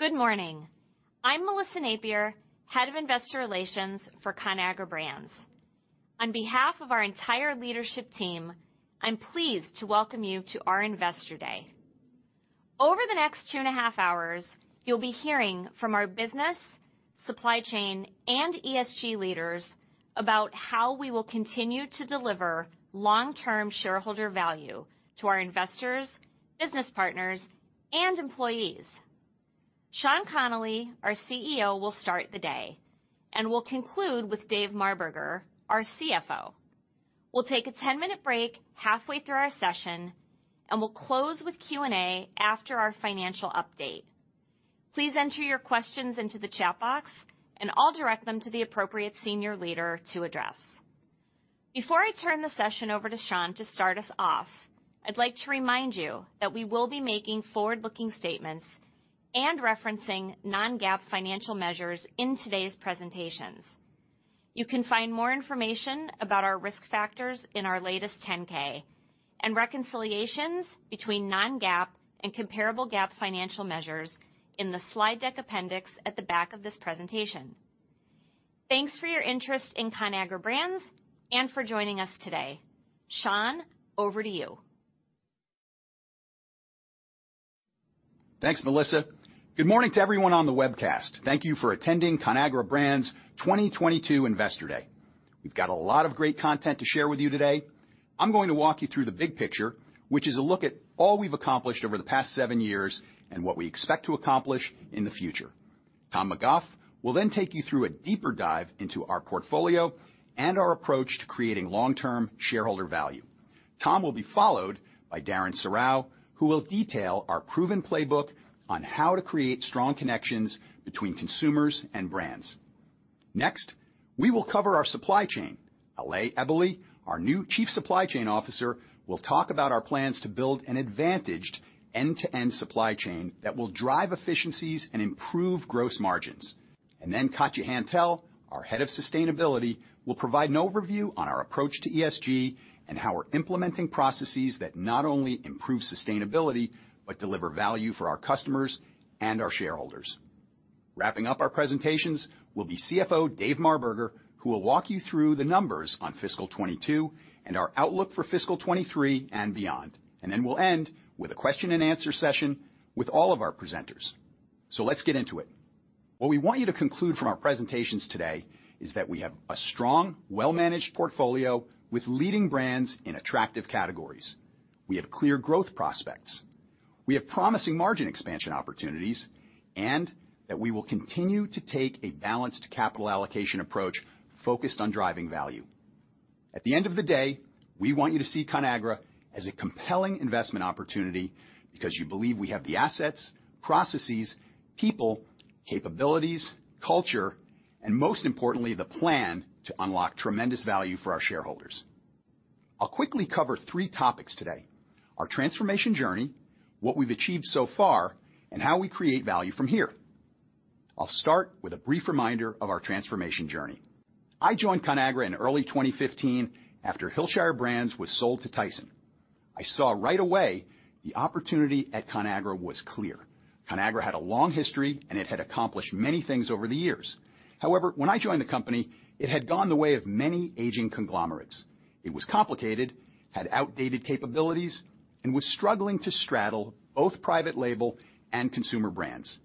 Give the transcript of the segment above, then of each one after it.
Good morning. I'm Melissa Napier, Head of Investor Relations for Conagra Brands. On behalf of our entire leadership team, I'm pleased to welcome you to our Investor Day. Over the next two and a half hours, you'll be hearing from our business, supply chain, and ESG leaders about how we will continue to deliver long-term shareholder value to our investors, business partners, and employees. Sean Connolly, our CEO, will start the day and we'll conclude with David Marberger, our CFO. We'll take a 10-minute break halfway through our session, and we'll close with Q&A after our financial update. Please enter your questions into the chat box, and I'll direct them to the appropriate senior leader to address. Before I turn the session over to Sean to start us off, I'd like to remind you that we will be making forward-looking statements and referencing non-GAAP financial measures in today's presentations. You can find more information about our risk factors in our latest 10-K and reconciliations between non-GAAP and comparable GAAP financial measures in the slide deck appendix at the back of this presentation. Thanks for your interest in Conagra Brands and for joining us today. Sean, over to you. Thanks, Melissa. Good morning to everyone on the webcast. Thank you for attending Conagra Brands 2022 Investor Day. We've got a lot of great content to share with you today. I'm going to walk you through the big picture, which is a look at all we've accomplished over the past seven years and what we expect to accomplish in the future. Tom McGough will then take you through a deeper dive into our portfolio and our approach to creating long-term shareholder value. Tom will be followed by Darren Serrao, who will detail our proven playbook on how to create strong connections between consumers and brands. Next, we will cover our supply chain. Alexandre Eboli, our new Chief Supply Chain Officer, will talk about our plans to build an advantaged end-to-end supply chain that will drive efficiencies and improve gross margins. Katya Hantel, our Head of Sustainability, will provide an overview on our approach to ESG and how we're implementing processes that not only improve sustainability, but deliver value for our customers and our shareholders. Wrapping up our presentations will be CFO Dave Marberger, who will walk you through the numbers on fiscal 2022 and our outlook for fiscal 2023 and beyond. We'll end with a question and answer session with all of our presenters. Let's get into it. What we want you to conclude from our presentations today is that we have a strong, well-managed portfolio with leading brands in attractive categories. We have clear growth prospects. We have promising margin expansion opportunities, and that we will continue to take a balanced capital allocation approach focused on driving value. At the end of the day, we want you to see Conagra as a compelling investment opportunity because you believe we have the assets, processes, people, capabilities, culture, and most importantly, the plan to unlock tremendous value for our shareholders. I'll quickly cover three topics today, our transformation journey, what we've achieved so far, and how we create value from here. I'll start with a brief reminder of our transformation journey. I joined Conagra in early 2015 after Hillshire Brands was sold to Tyson. I saw right away the opportunity at Conagra was clear. Conagra had a long history, and it had accomplished many things over the years. However, when I joined the company, it had gone the way of many aging conglomerates. It was complicated, had outdated capabilities, and was struggling to straddle both private label and consumer brands.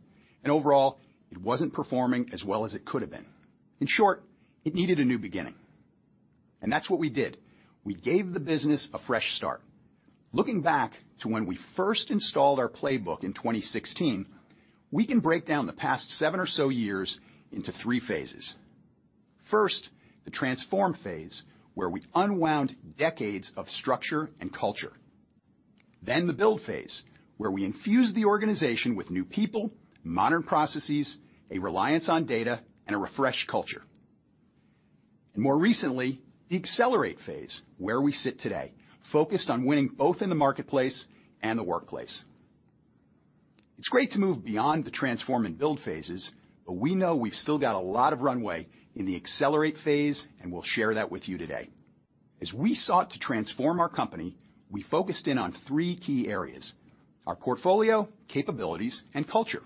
Overall, it wasn't performing as well as it could have been. In short, it needed a new beginning, and that's what we did. We gave the business a fresh start. Looking back to when we first installed our playbook in 2016, we can break down the past seven or so years into three phases. First, the transform phase, where we unwound decades of structure and culture. The build phase, where we infused the organization with new people, modern processes, a reliance on data, and a refreshed culture. More recently, the accelerate phase, where we sit today, focused on winning both in the marketplace and the workplace. It's great to move beyond the transform and build phases, but we know we've still got a lot of runway in the accelerate phase, and we'll share that with you today. As we sought to transform our company, we focused in on three key areas, our portfolio, capabilities, and culture.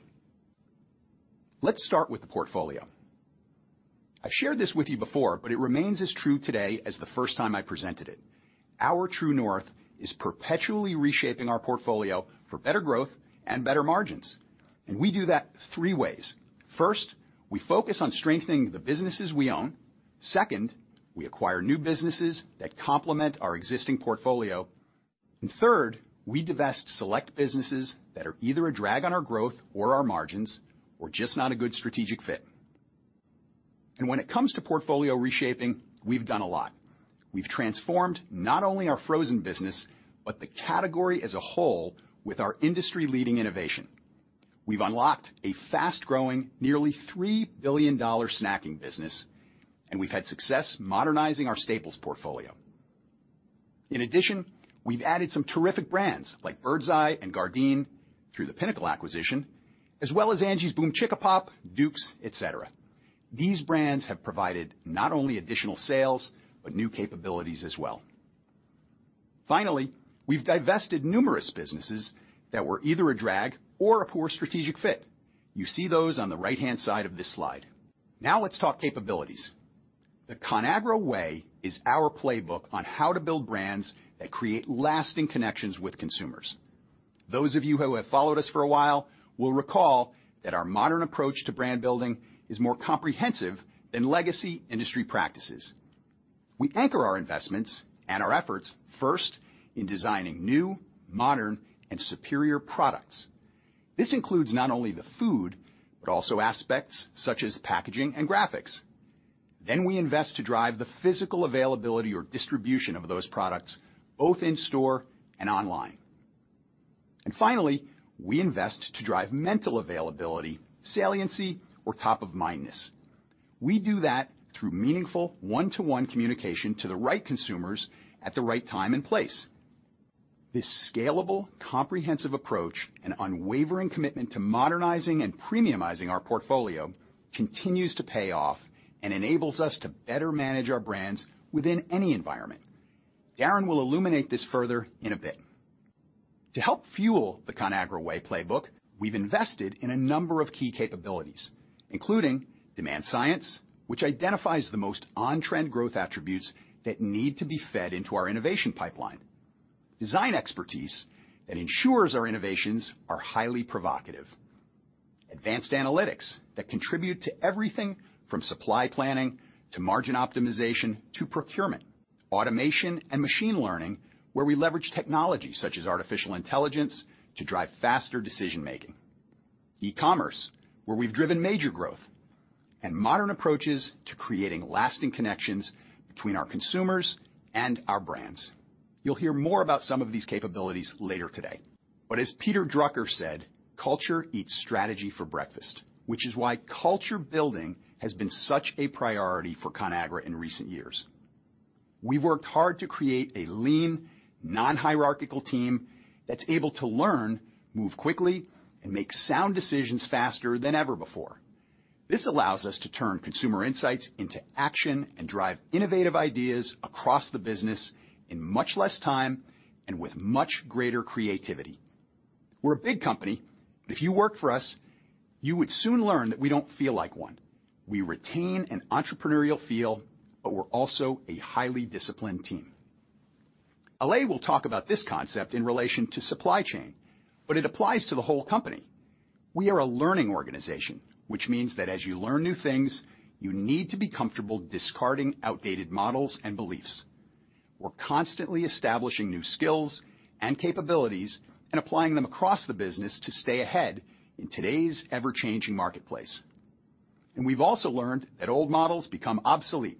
Let's start with the portfolio. I shared this with you before, but it remains as true today as the first time I presented it. Our true north is perpetually reshaping our portfolio for better growth and better margins, and we do that three ways. First, we focus on strengthening the businesses we own. Second, we acquire new businesses that complement our existing portfolio. Third, we divest select businesses that are either a drag on our growth or our margins or just not a good strategic fit. When it comes to portfolio reshaping, we've done a lot. We've transformed not only our frozen business, but the category as a whole with our industry-leading innovation. We've unlocked a fast-growing, nearly $3 billion snacking business, and we've had success modernizing our staples portfolio. In addition, we've added some terrific brands like Birds Eye and Gardein through the Pinnacle acquisition, as well as Angie's BOOMCHICKAPOP, Duke's, et cetera. These brands have provided not only additional sales, but new capabilities as well. Finally, we've divested numerous businesses that were either a drag or a poor strategic fit. You see those on the right-hand side of this slide. Now let's talk capabilities. The Conagra Way is our playbook on how to build brands that create lasting connections with consumers. Those of you who have followed us for a while will recall that our modern approach to brand building is more comprehensive than legacy industry practices. We anchor our investments and our efforts first in designing new, modern, and superior products. This includes not only the food, but also aspects such as packaging and graphics. We invest to drive the physical availability or distribution of those products, both in store and online. Finally, we invest to drive mental availability, saliency, or top-of-mindness. We do that through meaningful one-to-one communication to the right consumers at the right time and place. This scalable, comprehensive approach and unwavering commitment to modernizing and premiumizing our portfolio continues to pay off and enables us to better manage our brands within any environment. Darren will illuminate this further in a bit. To help fuel The Conagra Way playbook, we've invested in a number of key capabilities, including demand science, which identifies the most on-trend growth attributes that need to be fed into our innovation pipeline. Design expertise that ensures our innovations are highly provocative. Advanced analytics that contribute to everything from supply planning, to margin optimization, to procurement. Automation and machine learning, where we leverage technology such as artificial intelligence to drive faster decision-making. E-commerce, where we've driven major growth. Modern approaches to creating lasting connections between our consumers and our brands. You'll hear more about some of these capabilities later today. As Peter Drucker said, "Culture eats strategy for breakfast," which is why culture building has been such a priority for Conagra in recent years. We've worked hard to create a lean, non-hierarchical team that's able to learn, move quickly, and make sound decisions faster than ever before. This allows us to turn consumer insights into action and drive innovative ideas across the business in much less time and with much greater creativity. We're a big company, but if you work for us, you would soon learn that we don't feel like one. We retain an entrepreneurial feel, but we're also a highly disciplined team. Alexandre will talk about this concept in relation to supply chain, but it applies to the whole company. We are a learning organization, which means that as you learn new things, you need to be comfortable discarding outdated models and beliefs. We're constantly establishing new skills and capabilities and applying them across the business to stay ahead in today's ever-changing marketplace. We've also learned that old models become obsolete,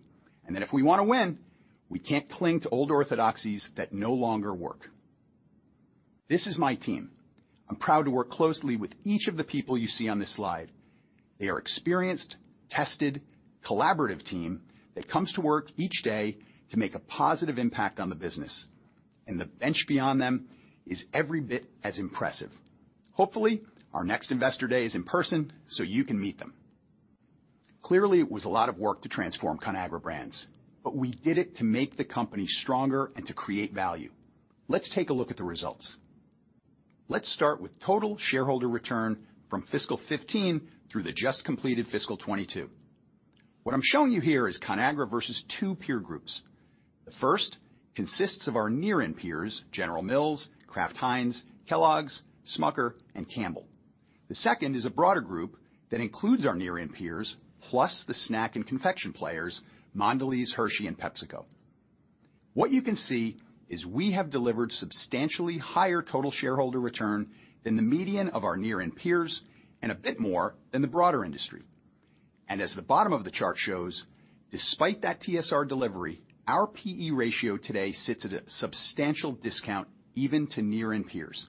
and that if we want to win, we can't cling to old orthodoxies that no longer work. This is my team. I'm proud to work closely with each of the people you see on this slide. They are experienced, tested, collaborative team that comes to work each day to make a positive impact on the business, and the bench beyond them is every bit as impressive. Hopefully, our next investor day is in person so you can meet them. Clearly, it was a lot of work to transform Conagra Brands, but we did it to make the company stronger and to create value. Let's take a look at the results. Let's start with total shareholder return from fiscal 2015 through the just completed fiscal 2022. What I'm showing you here is Conagra versus two peer groups. The first consists of our near-in peers, General Mills, Kraft Heinz, Kellogg's, Smucker, and Campbell. The second is a broader group that includes our near-in peers, plus the snack and confection players, Mondelez, Hershey, and PepsiCo. What you can see is we have delivered substantially higher total shareholder return than the median of our near-in peers and a bit more than the broader industry. As the bottom of the chart shows, despite that TSR delivery, our P/E ratio today sits at a substantial discount even to near-in peers.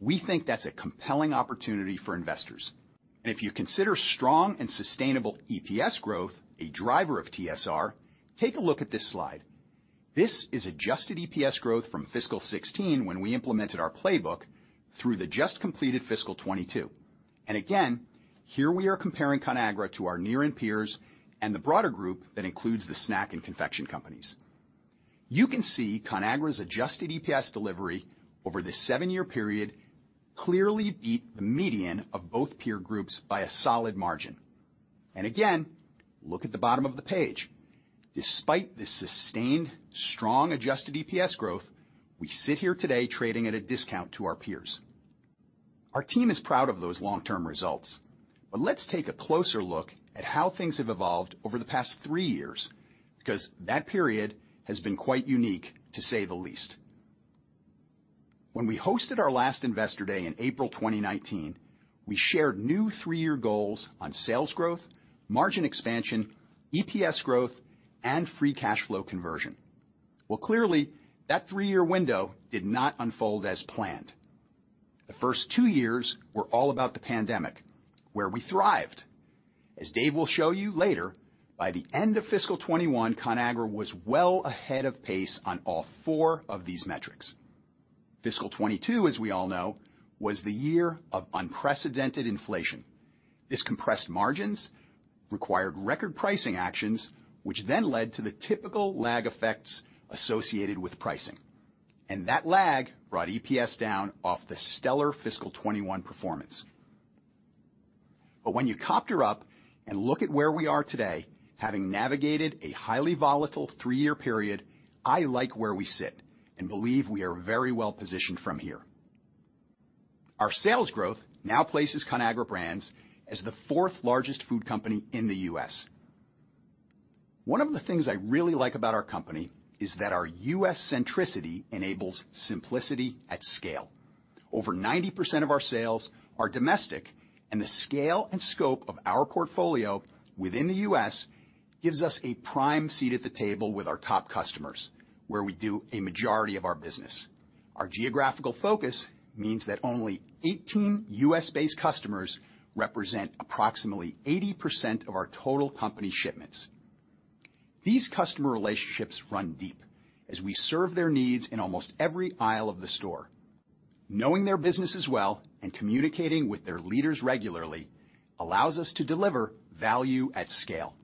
We think that's a compelling opportunity for investors. If you consider strong and sustainable EPS growth a driver of TSR, take a look at this slide. This is adjusted EPS growth from fiscal 2016 when we implemented our playbook through the just completed fiscal 2022. Here we are comparing Conagra to our near-in peers and the broader group that includes the snack and confection companies. You can see Conagra's adjusted EPS delivery over the seven-year period clearly beat the median of both peer groups by a solid margin. Again, look at the bottom of the page. Despite the sustained, strong adjusted EPS growth, we sit here today trading at a discount to our peers. Our team is proud of those long-term results, but let's take a closer look at how things have evolved over the past three years, because that period has been quite unique, to say the least. When we hosted our last Investor Day in April 2019, we shared new three-year goals on sales growth, margin expansion, EPS growth, and free cash flow conversion. Well, clearly, that three-year window did not unfold as planned. The first two years were all about the pandemic, where we thrived. As Dave will show you later, by the end of fiscal 2021, Conagra was well ahead of pace on all four of these metrics. Fiscal 2022, as we all know, was the year of unprecedented inflation. These compressed margins required record pricing actions, which then led to the typical lag effects associated with pricing. That lag brought EPS down off the stellar fiscal 2021 performance. When you helicopter up and look at where we are today, having navigated a highly volatile three-year period, I like where we sit and believe we are very well-positioned from here. Our sales growth now places Conagra Brands as the fourth largest food company in the U.S. One of the things I really like about our company is that our U.S. centricity enables simplicity at scale. Over 90% of our sales are domestic, and the scale and scope of our portfolio within the U.S. gives us a prime seat at the table with our top customers, where we do a majority of our business. Our geographical focus means that only 18 U.S.-based customers represent approximately 80% of our total company shipments. These customer relationships run deep as we serve their needs in almost every aisle of the store. Knowing their businesses well and communicating with their leaders regularly allows us to deliver value at scale.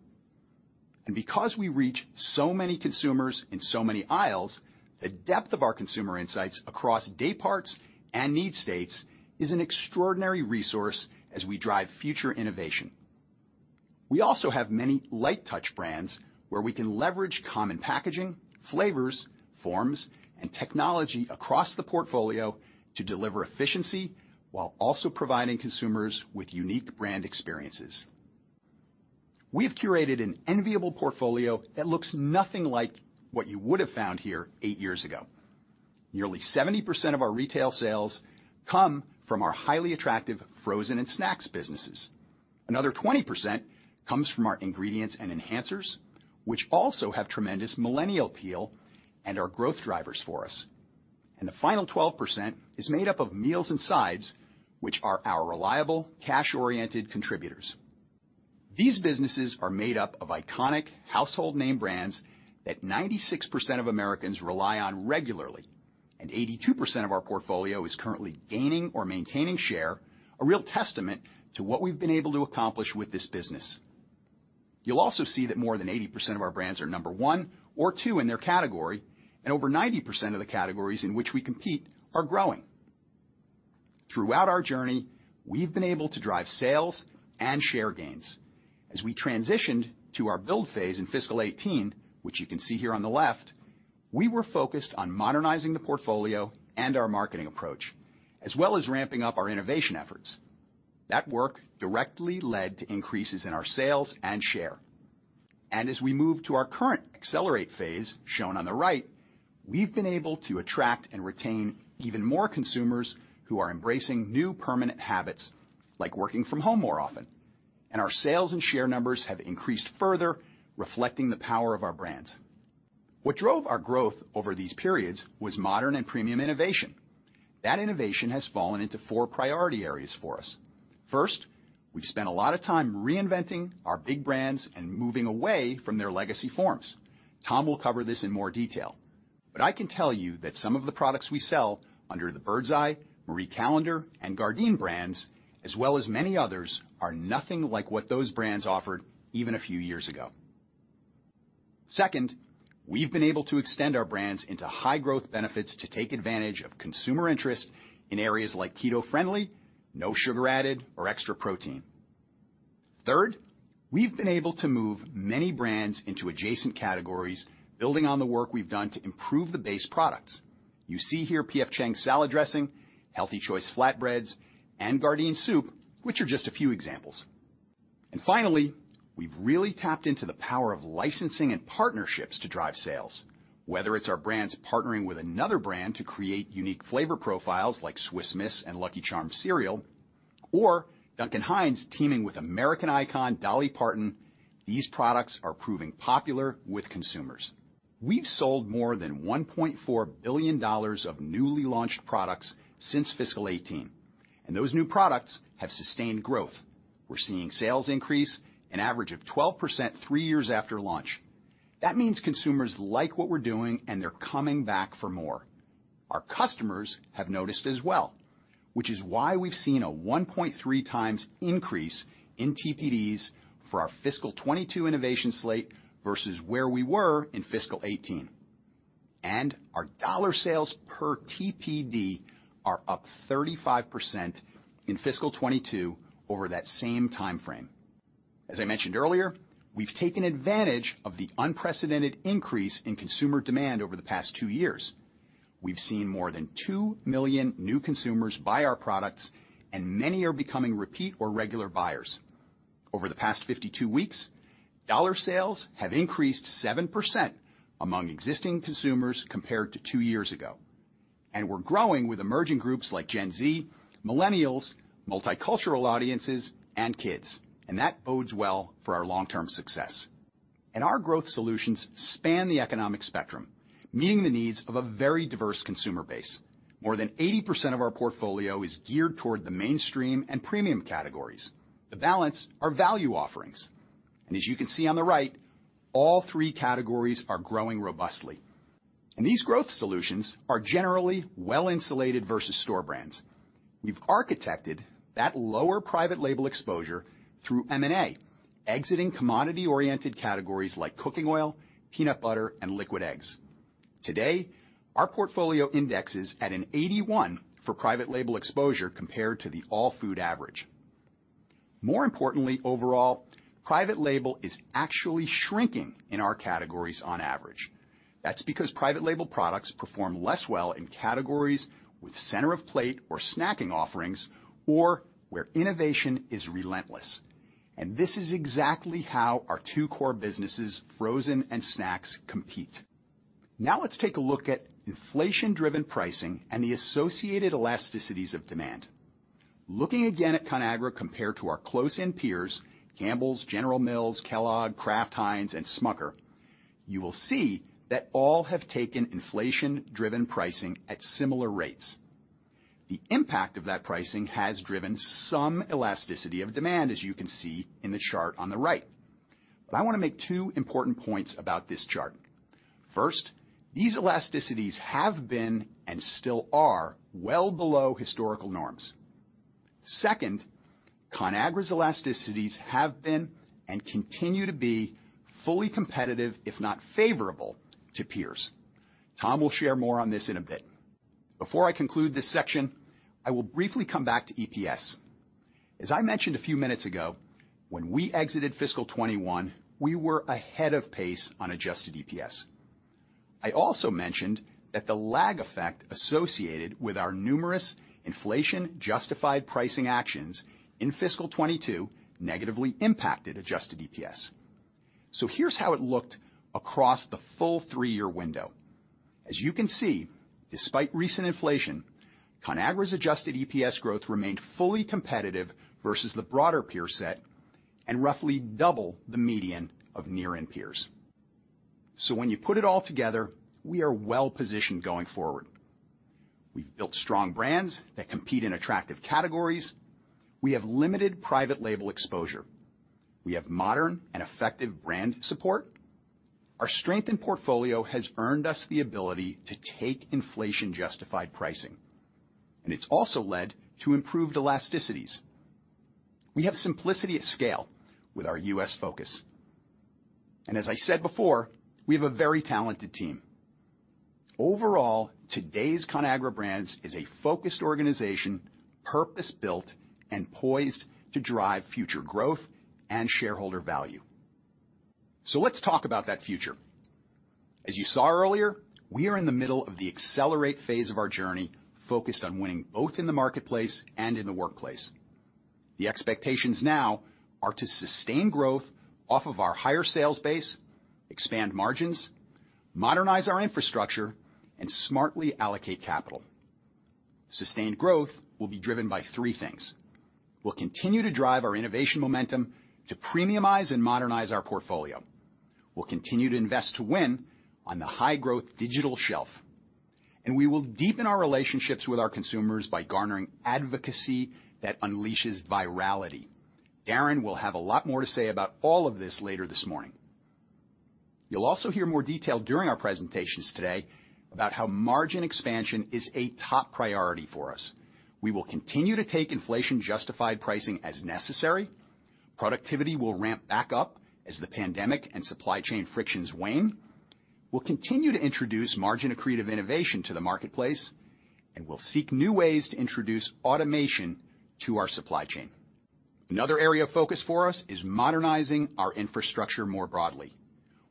Because we reach so many consumers in so many aisles, the depth of our consumer insights across dayparts and need states is an extraordinary resource as we drive future innovation. We also have many light touch brands where we can leverage common packaging, flavors, forms, and technology across the portfolio to deliver efficiency while also providing consumers with unique brand experiences. We have curated an enviable portfolio that looks nothing like what you would have found here eight years ago. Nearly 70% of our retail sales come from our highly attractive frozen and snacks businesses. Another 20% comes from our ingredients and enhancers, which also have tremendous millennial appeal and are growth drivers for us. The final 12% is made up of meals and sides, which are our reliable cash-oriented contributors. These businesses are made up of iconic household name brands that 96% of Americans rely on regularly, and 82% of our portfolio is currently gaining or maintaining share, a real testament to what we've been able to accomplish with this business. You'll also see that more than 80% of our brands are number one or two in their category, and over 90% of the categories in which we compete are growing. Throughout our journey, we've been able to drive sales and share gains. As we transitioned to our build phase in fiscal 2018, which you can see here on the left, we were focused on modernizing the portfolio and our marketing approach, as well as ramping up our innovation efforts. That work directly led to increases in our sales and share. As we move to our current accelerate phase, shown on the right, we've been able to attract and retain even more consumers who are embracing new permanent habits, like working from home more often. Our sales and share numbers have increased further, reflecting the power of our brands. What drove our growth over these periods was modern and premium innovation. That innovation has fallen into four priority areas for us. First, we've spent a lot of time reinventing our big brands and moving away from their legacy forms. Tom will cover this in more detail, but I can tell you that some of the products we sell under the Birds Eye, Marie Callender's, and Gardein brands, as well as many others, are nothing like what those brands offered even a few years ago. Second, we've been able to extend our brands into high-growth benefits to take advantage of consumer interest in areas like keto-friendly, no sugar added, or extra protein. Third, we've been able to move many brands into adjacent categories, building on the work we've done to improve the base products. You see here P.F. Chang's salad dressing, Healthy Choice flatbreads, and Gardein soup, which are just a few examples. We've really tapped into the power of licensing and partnerships to drive sales, whether it's our brands partnering with another brand to create unique flavor profiles like Swiss Miss and Lucky Charms cereal, or Duncan Hines teaming with American icon Dolly Parton. These products are proving popular with consumers. We've sold more than $1.4 billion of newly launched products since fiscal 2018, and those new products have sustained growth. We're seeing sales increase an average of 12% three years after launch. That means consumers like what we're doing, and they're coming back for more. Our customers have noticed as well, which is why we've seen a 1.3x increase in TDPs for our fiscal 2022 innovation slate versus where we were in fiscal 2018. Our dollar sales per TDP are up 35% in fiscal 2022 over that same timeframe. As I mentioned earlier, we've taken advantage of the unprecedented increase in consumer demand over the past 2 years. We've seen more than 2 million new consumers buy our products, and many are becoming repeat or regular buyers. Over the past 52 weeks, dollar sales have increased 7% among existing consumers compared to 2 years ago. We're growing with emerging groups like Gen Z, millennials, multicultural audiences, and kids. That bodes well for our long-term success. Our growth solutions span the economic spectrum, meeting the needs of a very diverse consumer base. More than 80% of our portfolio is geared toward the mainstream and premium categories. The balance are value offerings. As you can see on the right. All 3 categories are growing robustly, and these growth solutions are generally well-insulated versus store brands. We've architected that lower private label exposure through M&A, exiting commodity-oriented categories like cooking oil, peanut butter, and liquid eggs. Today, our portfolio index is at 81 for private label exposure compared to the all-food average. More importantly, overall, private label is actually shrinking in our categories on average. That's because private label products perform less well in categories with center-of-plate or snacking offerings or where innovation is relentless. This is exactly how our two core businesses, frozen and snacks, compete. Now let's take a look at inflation-driven pricing and the associated elasticities of demand. Looking again at Conagra compared to our close-in peers, Campbell's, General Mills, Kellogg's, Kraft Heinz, and Smucker, you will see that all have taken inflation-driven pricing at similar rates. The impact of that pricing has driven some elasticity of demand, as you can see in the chart on the right. I want to make two important points about this chart. First, these elasticities have been and still are well below historical norms. Second, Conagra's elasticities have been and continue to be fully competitive, if not favorable to peers. Tom will share more on this in a bit. Before I conclude this section, I will briefly come back to EPS. As I mentioned a few minutes ago, when we exited fiscal 2021, we were ahead of pace on adjusted EPS. I also mentioned that the lag effect associated with our numerous inflation-justified pricing actions in fiscal 2022 negatively impacted adjusted EPS. Here's how it looked across the full three-year window. As you can see, despite recent inflation, Conagra's adjusted EPS growth remained fully competitive versus the broader peer set and roughly double the median of near-end peers. When you put it all together, we are well-positioned going forward. We've built strong brands that compete in attractive categories. We have limited private label exposure. We have modern and effective brand support. Our strength in portfolio has earned us the ability to take inflation-justified pricing, and it's also led to improved elasticities. We have simplicity at scale with our U.S. focus. As I said before, we have a very talented team. Overall, today's Conagra Brands is a focused organization, purpose-built and poised to drive future growth and shareholder value. Let's talk about that future. As you saw earlier, we are in the middle of the accelerate phase of our journey, focused on winning both in the marketplace and in the workplace. The expectations now are to sustain growth off of our higher sales base, expand margins, modernize our infrastructure, and smartly allocate capital. Sustained growth will be driven by three things. We'll continue to drive our innovation momentum to premiumize and modernize our portfolio. We'll continue to invest to win on the high-growth digital shelf, and we will deepen our relationships with our consumers by garnering advocacy that unleashes virality. Darren will have a lot more to say about all of this later this morning. You'll also hear more detail during our presentations today about how margin expansion is a top priority for us. We will continue to take inflation-justified pricing as necessary. Productivity will ramp back up as the pandemic and supply chain frictions wane. We'll continue to introduce margin-accretive innovation to the marketplace, and we'll seek new ways to introduce automation to our supply chain. Another area of focus for us is modernizing our infrastructure more broadly.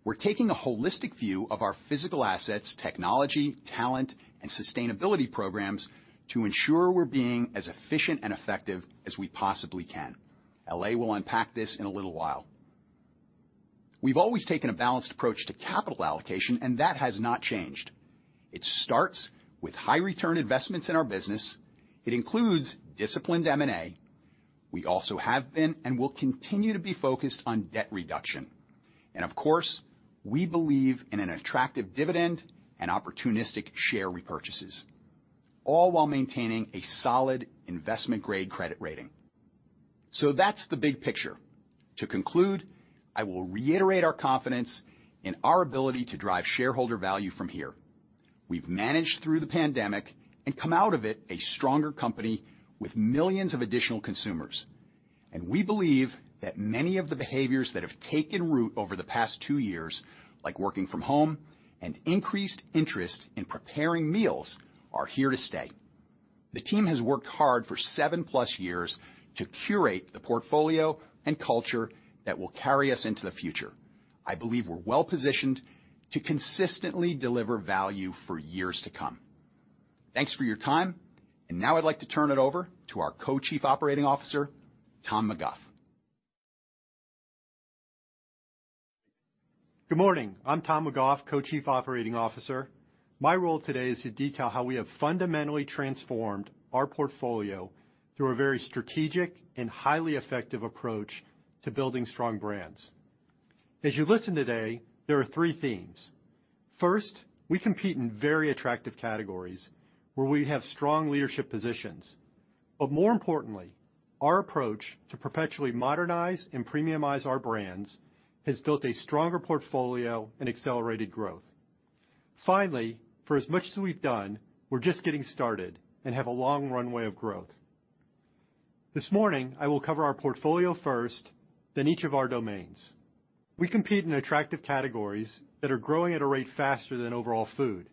We're taking a holistic view of our physical assets, technology, talent, and sustainability programs to ensure we're being as efficient and effective as we possibly can. Alexandre will unpack this in a little while. We've always taken a balanced approach to capital allocation, and that has not changed. It starts with high-return investments in our business. It includes disciplined M&A. We also have been and will continue to be focused on debt reduction. And of course, we believe in an attractive dividend and opportunistic share repurchases, all while maintaining a solid investment-grade credit rating. That's the big picture. To conclude, I will reiterate our confidence in our ability to drive shareholder value from here. We've managed through the pandemic and come out of it a stronger company with millions of additional consumers, and we believe that many of the behaviors that have taken root over the past two years, like working from home and increased interest in preparing meals, are here to stay. The team has worked hard for 7+ years to curate the portfolio and culture that will carry us into the future. I believe we're well-positioned to consistently deliver value for years to come. Thanks for your time, and now I'd like to turn it over to our Co-Chief Operating Officer, Tom McGough. Good morning. I'm Tom McGough, Co-Chief Operating Officer. My role today is to detail how we have fundamentally transformed our portfolio through a very strategic and highly effective approach to building strong brands. As you listen today, there are three themes. First, we compete in very attractive categories where we have strong leadership positions. More importantly, our approach to perpetually modernize and premiumize our brands has built a stronger portfolio and accelerated growth. Finally, for as much as we've done, we're just getting started and have a long runway of growth. This morning, I will cover our portfolio first, then each of our domains. We compete in attractive categories that are growing at a rate faster than overall food.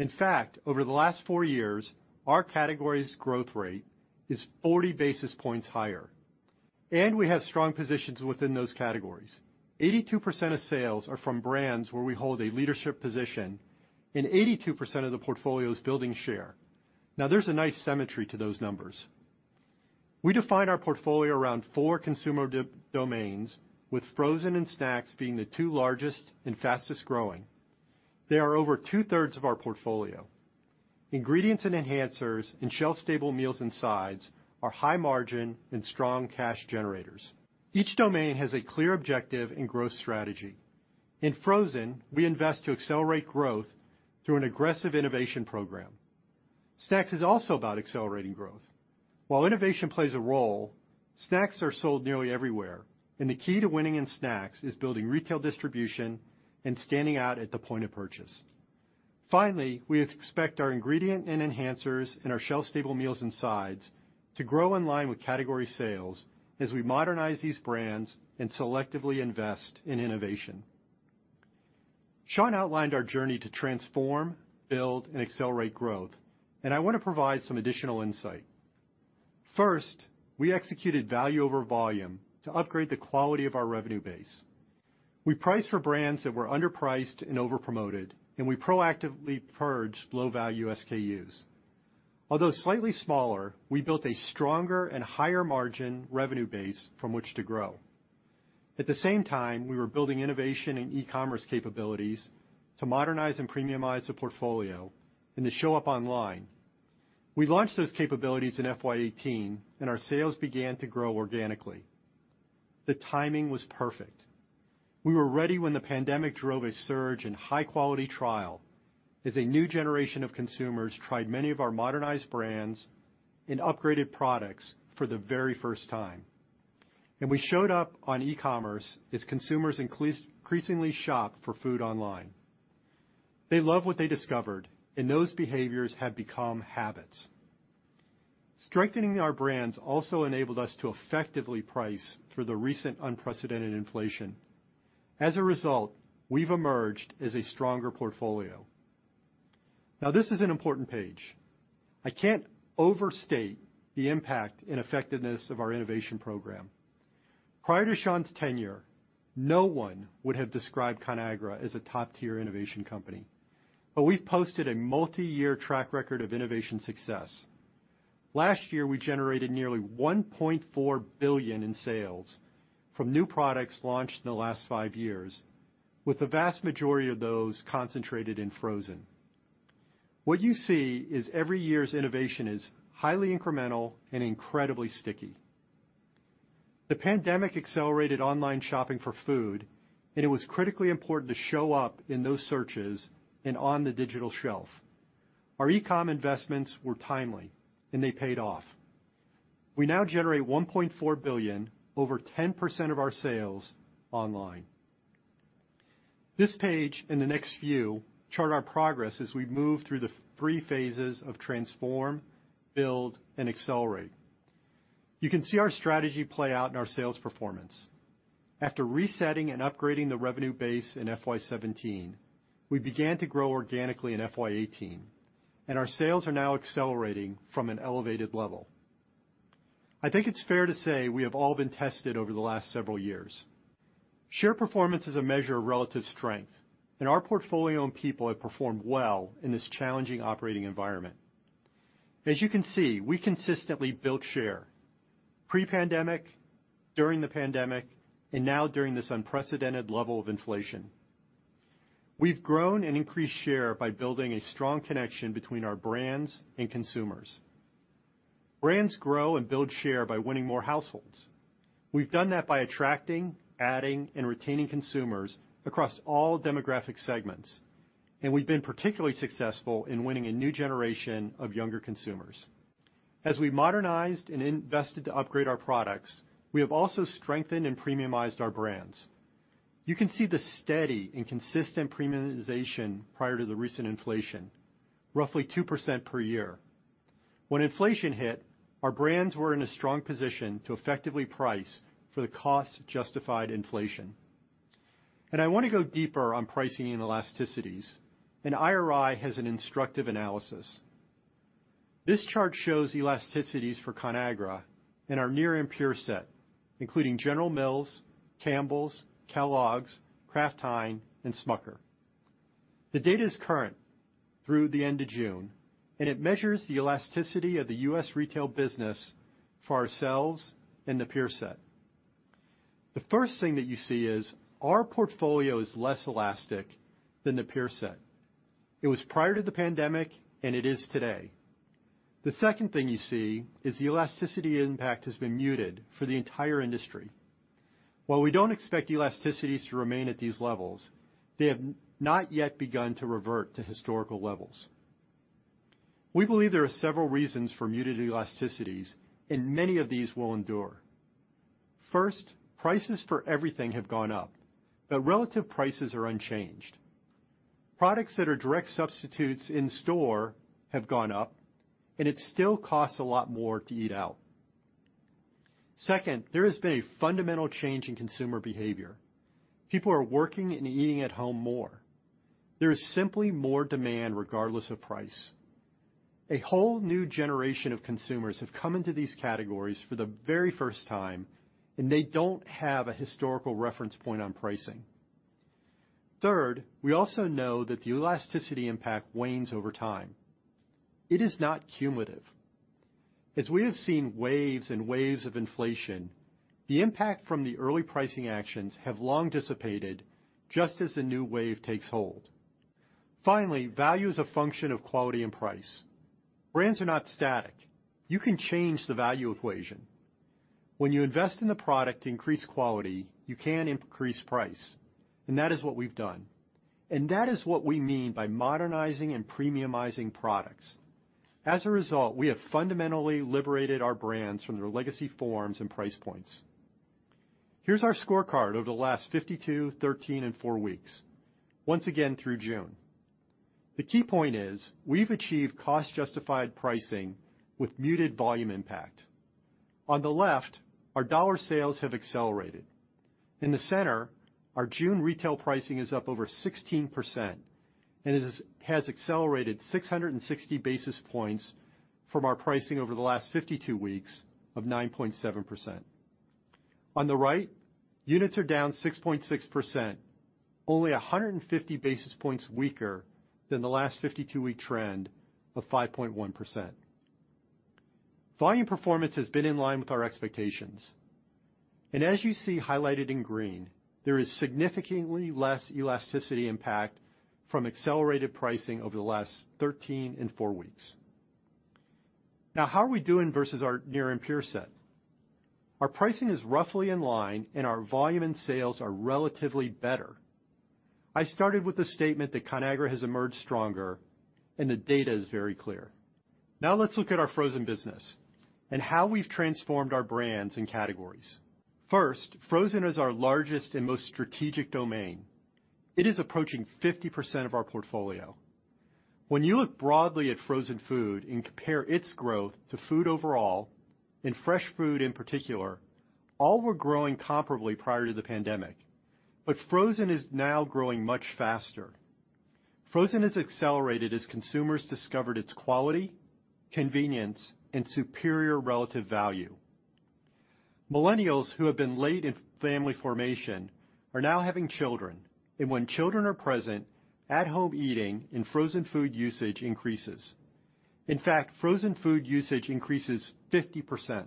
In fact, over the last 4 years, our category's growth rate is 40 basis points higher, and we have strong positions within those categories. 82% of sales are from brands where we hold a leadership position, and 82% of the portfolio is building share. Now there's a nice symmetry to those numbers. We define our portfolio around four consumer domains, with frozen and snacks being the two largest and fastest-growing. They are over 2/3 of our portfolio. Ingredients and enhancers and shelf-stable meals and sides are high margin and strong cash generators. Each domain has a clear objective and growth strategy. In frozen, we invest to accelerate growth through an aggressive innovation program. Snacks is also about accelerating growth. While innovation plays a role, snacks are sold nearly everywhere, and the key to winning in snacks is building retail distribution and standing out at the point of purchase. Finally, we expect our ingredient and enhancers and our shelf-stable meals and sides to grow in line with category sales as we modernize these brands and selectively invest in innovation. Sean outlined our journey to transform, build, and accelerate growth, and I want to provide some additional insight. First, we executed value over volume to upgrade the quality of our revenue base. We priced for brands that were underpriced and over-promoted, and we proactively purged low-value SKUs. Although slightly smaller, we built a stronger and higher margin revenue base from which to grow. At the same time, we were building innovation and e-commerce capabilities to modernize and premiumize the portfolio and to show up online. We launched those capabilities in FY 2018, and our sales began to grow organically. The timing was perfect. We were ready when the pandemic drove a surge in high-quality trial as a new generation of consumers tried many of our modernized brands and upgraded products for the very first time. We showed up on e-commerce as consumers increasingly shop for food online. They love what they discovered, and those behaviors have become habits. Strengthening our brands also enabled us to effectively price through the recent unprecedented inflation. As a result, we've emerged as a stronger portfolio. Now, this is an important page. I can't overstate the impact and effectiveness of our innovation program. Prior to Sean's tenure, no one would have described Conagra as a top-tier innovation company, but we've posted a multiyear track record of innovation success. Last year, we generated nearly $1.4 billion in sales from new products launched in the last 5 years, with the vast majority of those concentrated in frozen. What you see is every year's innovation is highly incremental and incredibly sticky. The pandemic accelerated online shopping for food, and it was critically important to show up in those searches and on the digital shelf. Our e-com investments were timely, and they paid off. We now generate $1.4 billion, over 10% of our sales online. This page and the next view chart our progress as we move through the three phases of transform, build, and accelerate. You can see our strategy play out in our sales performance. After resetting and upgrading the revenue base in FY 2017, we began to grow organically in FY 2018, and our sales are now accelerating from an elevated level. I think it's fair to say we have all been tested over the last several years. Share performance is a measure of relative strength, and our portfolio and people have performed well in this challenging operating environment. As you can see, we consistently built share pre-pandemic, during the pandemic, and now during this unprecedented level of inflation. We've grown and increased share by building a strong connection between our brands and consumers. Brands grow and build share by winning more households. We've done that by attracting, adding, and retaining consumers across all demographic segments, and we've been particularly successful in winning a new generation of younger consumers. As we modernized and invested to upgrade our products, we have also strengthened and premiumized our brands. You can see the steady and consistent premiumization prior to the recent inflation, roughly 2% per year. When inflation hit, our brands were in a strong position to effectively price for the cost-justified inflation. I want to go deeper on pricing and elasticities, and IRI has an instructive analysis. This chart shows elasticities for Conagra and our peer set, including General Mills, Campbell's, Kellogg's, Kraft Heinz, and Smucker. The data is current through the end of June, and it measures the elasticity of the U.S. retail business for ourselves and the peer set. The first thing that you see is our portfolio is less elastic than the peer set. It was prior to the pandemic, and it is today. The second thing you see is the elasticity impact has been muted for the entire industry. While we don't expect elasticities to remain at these levels, they have not yet begun to revert to historical levels. We believe there are several reasons for muted elasticities, and many of these will endure. First, prices for everything have gone up, but relative prices are unchanged. Products that are direct substitutes in store have gone up, and it still costs a lot more to eat out. Second, there has been a fundamental change in consumer behavior. People are working and eating at home more. There is simply more demand regardless of price. A whole new generation of consumers have come into these categories for the very first time, and they don't have a historical reference point on pricing. Third, we also know that the elasticity impact wanes over time. It is not cumulative. As we have seen waves and waves of inflation, the impact from the early pricing actions have long dissipated just as a new wave takes hold. Finally, value is a function of quality and price. Brands are not static. You can change the value equation. When you invest in the product to increase quality, you can increase price, and that is what we've done. That is what we mean by modernizing and premiumizing products. As a result, we have fundamentally liberated our brands from their legacy forms and price points. Here's our scorecard over the last 52, 13, and 4 weeks, once again through June. The key point is we've achieved cost-justified pricing with muted volume impact. On the left, our dollar sales have accelerated. In the center, our June retail pricing is up over 16% and it has accelerated 660 basis points from our pricing over the last 52 weeks of 9.7%. On the right, units are down 6.6%, only 150 basis points weaker than the last 52-week trend of 5.1%. Volume performance has been in line with our expectations. As you see highlighted in green, there is significantly less elasticity impact from accelerated pricing over the last 13 and 4 weeks. Now, how are we doing versus our peer set? Our pricing is roughly in line and our volume and sales are relatively better. I started with the statement that Conagra has emerged stronger and the data is very clear. Now let's look at our frozen business and how we've transformed our brands and categories. First, frozen is our largest and most strategic domain. It is approaching 50% of our portfolio. When you look broadly at frozen food and compare its growth to food overall, and fresh food in particular, all were growing comparably prior to the pandemic, but frozen is now growing much faster. Frozen has accelerated as consumers discovered its quality, convenience, and superior relative value. Millennials who have been late in family formation are now having children. When children are present, at-home eating and frozen food usage increases. In fact, frozen food usage increases 50%.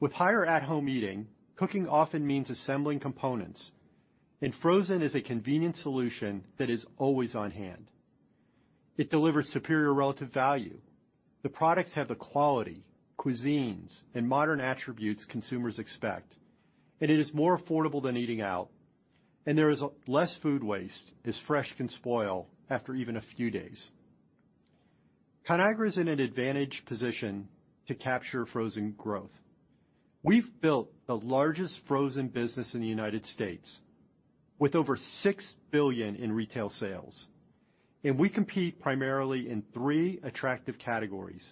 With higher at-home eating, cooking often means assembling components, and frozen is a convenient solution that is always on hand. It delivers superior relative value. The products have the quality, cuisines, and modern attributes consumers expect, and it is more affordable than eating out, and there is less food waste as fresh can spoil after even a few days. Conagra Brands is in an advantageous position to capture frozen growth. We've built the largest frozen business in the United States with over $6 billion in retail sales, and we compete primarily in three attractive categories,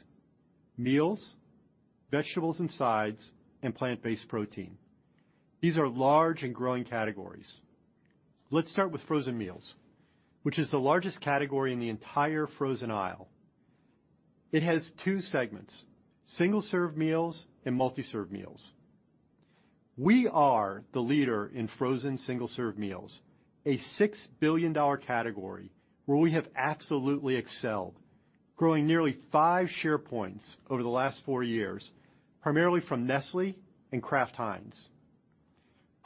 meals, vegetables and sides, and plant-based protein. These are large and growing categories. Let's start with frozen meals, which is the largest category in the entire frozen aisle. It has two segments, single-serve meals and multi-serve meals. We are the leader in frozen single-serve meals, a $6 billion category where we have absolutely excelled, growing nearly 5 share points over the last 4 years, primarily from Nestlé and Kraft Heinz.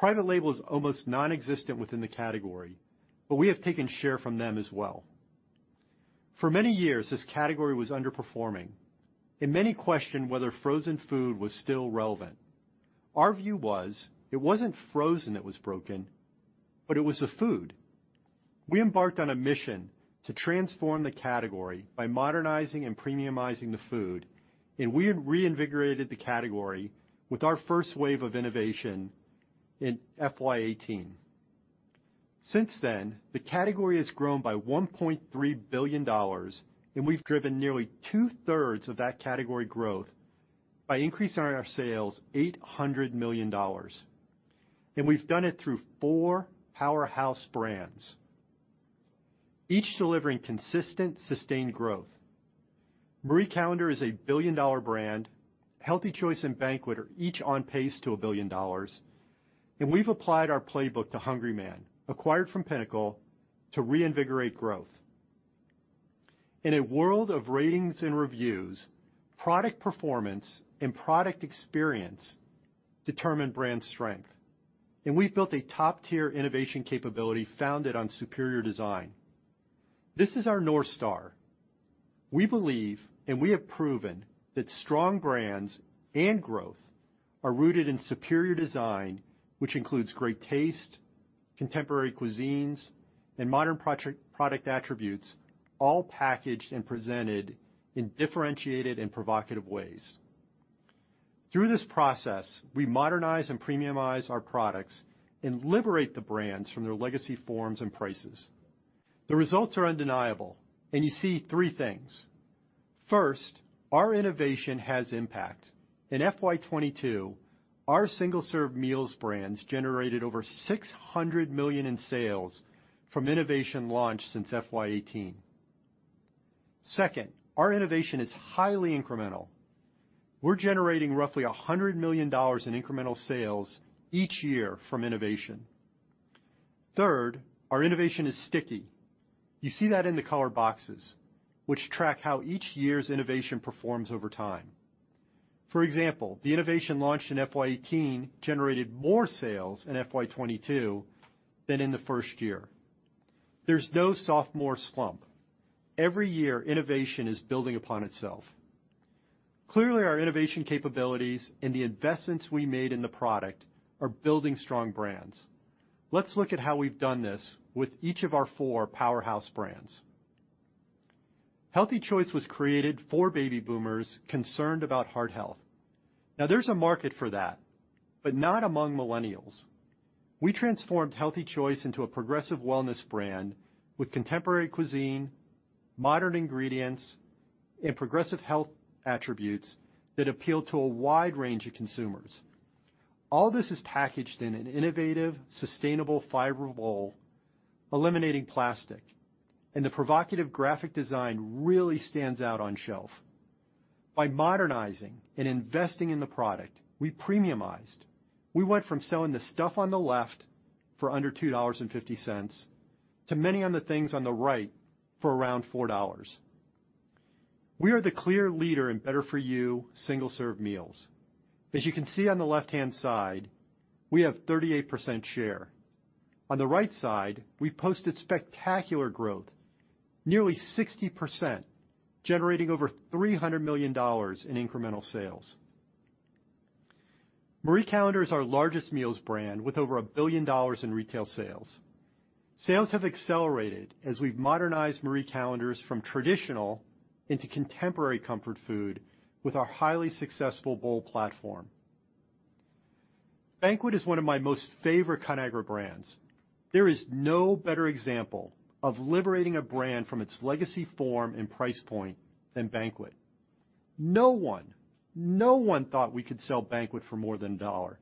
Private label is almost nonexistent within the category, but we have taken share from them as well. For many years, this category was underperforming, and many questioned whether frozen food was still relevant. Our view was it wasn't frozen that was broken, but it was the food. We embarked on a mission to transform the category by modernizing and premiumizing the food, and we had reinvigorated the category with our first wave of innovation in FY 2018. Since then, the category has grown by $1.3 billion, and we've driven nearly 2/3 of that category growth by increasing our sales $800 million. We've done it through four powerhouse brands, each delivering consistent, sustained growth. Marie Callender's is a billion-dollar brand. Healthy Choice and Banquet are each on pace to $1 billion. We've applied our playbook to Hungry-Man, acquired from Pinnacle, to reinvigorate growth. In a world of ratings and reviews, product performance and product experience determine brand strength. We've built a top-tier innovation capability founded on superior design. This is our North Star. We believe, and we have proven, that strong brands and growth are rooted in superior design, which includes great taste, contemporary cuisines, and modern pro-product attributes, all packaged and presented in differentiated and provocative ways. Through this process, we modernize and premiumize our products and liberate the brands from their legacy forms and prices. The results are undeniable, and you see three things. First, our innovation has impact. In FY 2022, our single-serve meals brands generated over $600 million in sales from innovation launched since FY 2018. Second, our innovation is highly incremental. We're generating roughly $100 million in incremental sales each year from innovation. Third, our innovation is sticky. You see that in the colored boxes, which track how each year's innovation performs over time. For example, the innovation launched in FY 2018 generated more sales in FY 2022 than in the first year. There's no sophomore slump. Every year, innovation is building upon itself. Clearly, our innovation capabilities and the investments we made in the product are building strong brands. Let's look at how we've done this with each of our four powerhouse brands. Healthy Choice was created for baby boomers concerned about heart health. Now there's a market for that, but not among millennials. We transformed Healthy Choice into a progressive wellness brand with contemporary cuisine, modern ingredients, and progressive health attributes that appeal to a wide range of consumers. All this is packaged in an innovative, sustainable fiber bowl, eliminating plastic, and the provocative graphic design really stands out on shelf. By modernizing and investing in the product, we premiumized. We went from selling the stuff on the left for under $2.50 to many on the things on the right for around $4. We are the clear leader in better-for-you single-serve meals. As you can see on the left-hand side, we have 38% share. On the right side, we've posted spectacular growth, nearly 60%, generating over $300 million in incremental sales. Marie Callender's, our largest meals brand with over $1 billion in retail sales. Sales have accelerated as we've modernized Marie Callender's from traditional into contemporary comfort food with our highly successful bowl platform. Banquet is one of my most favorite Conagra Brands. There is no better example of liberating a brand from its legacy form and price point than Banquet. No one, no one thought we could sell Banquet for more than a dollar,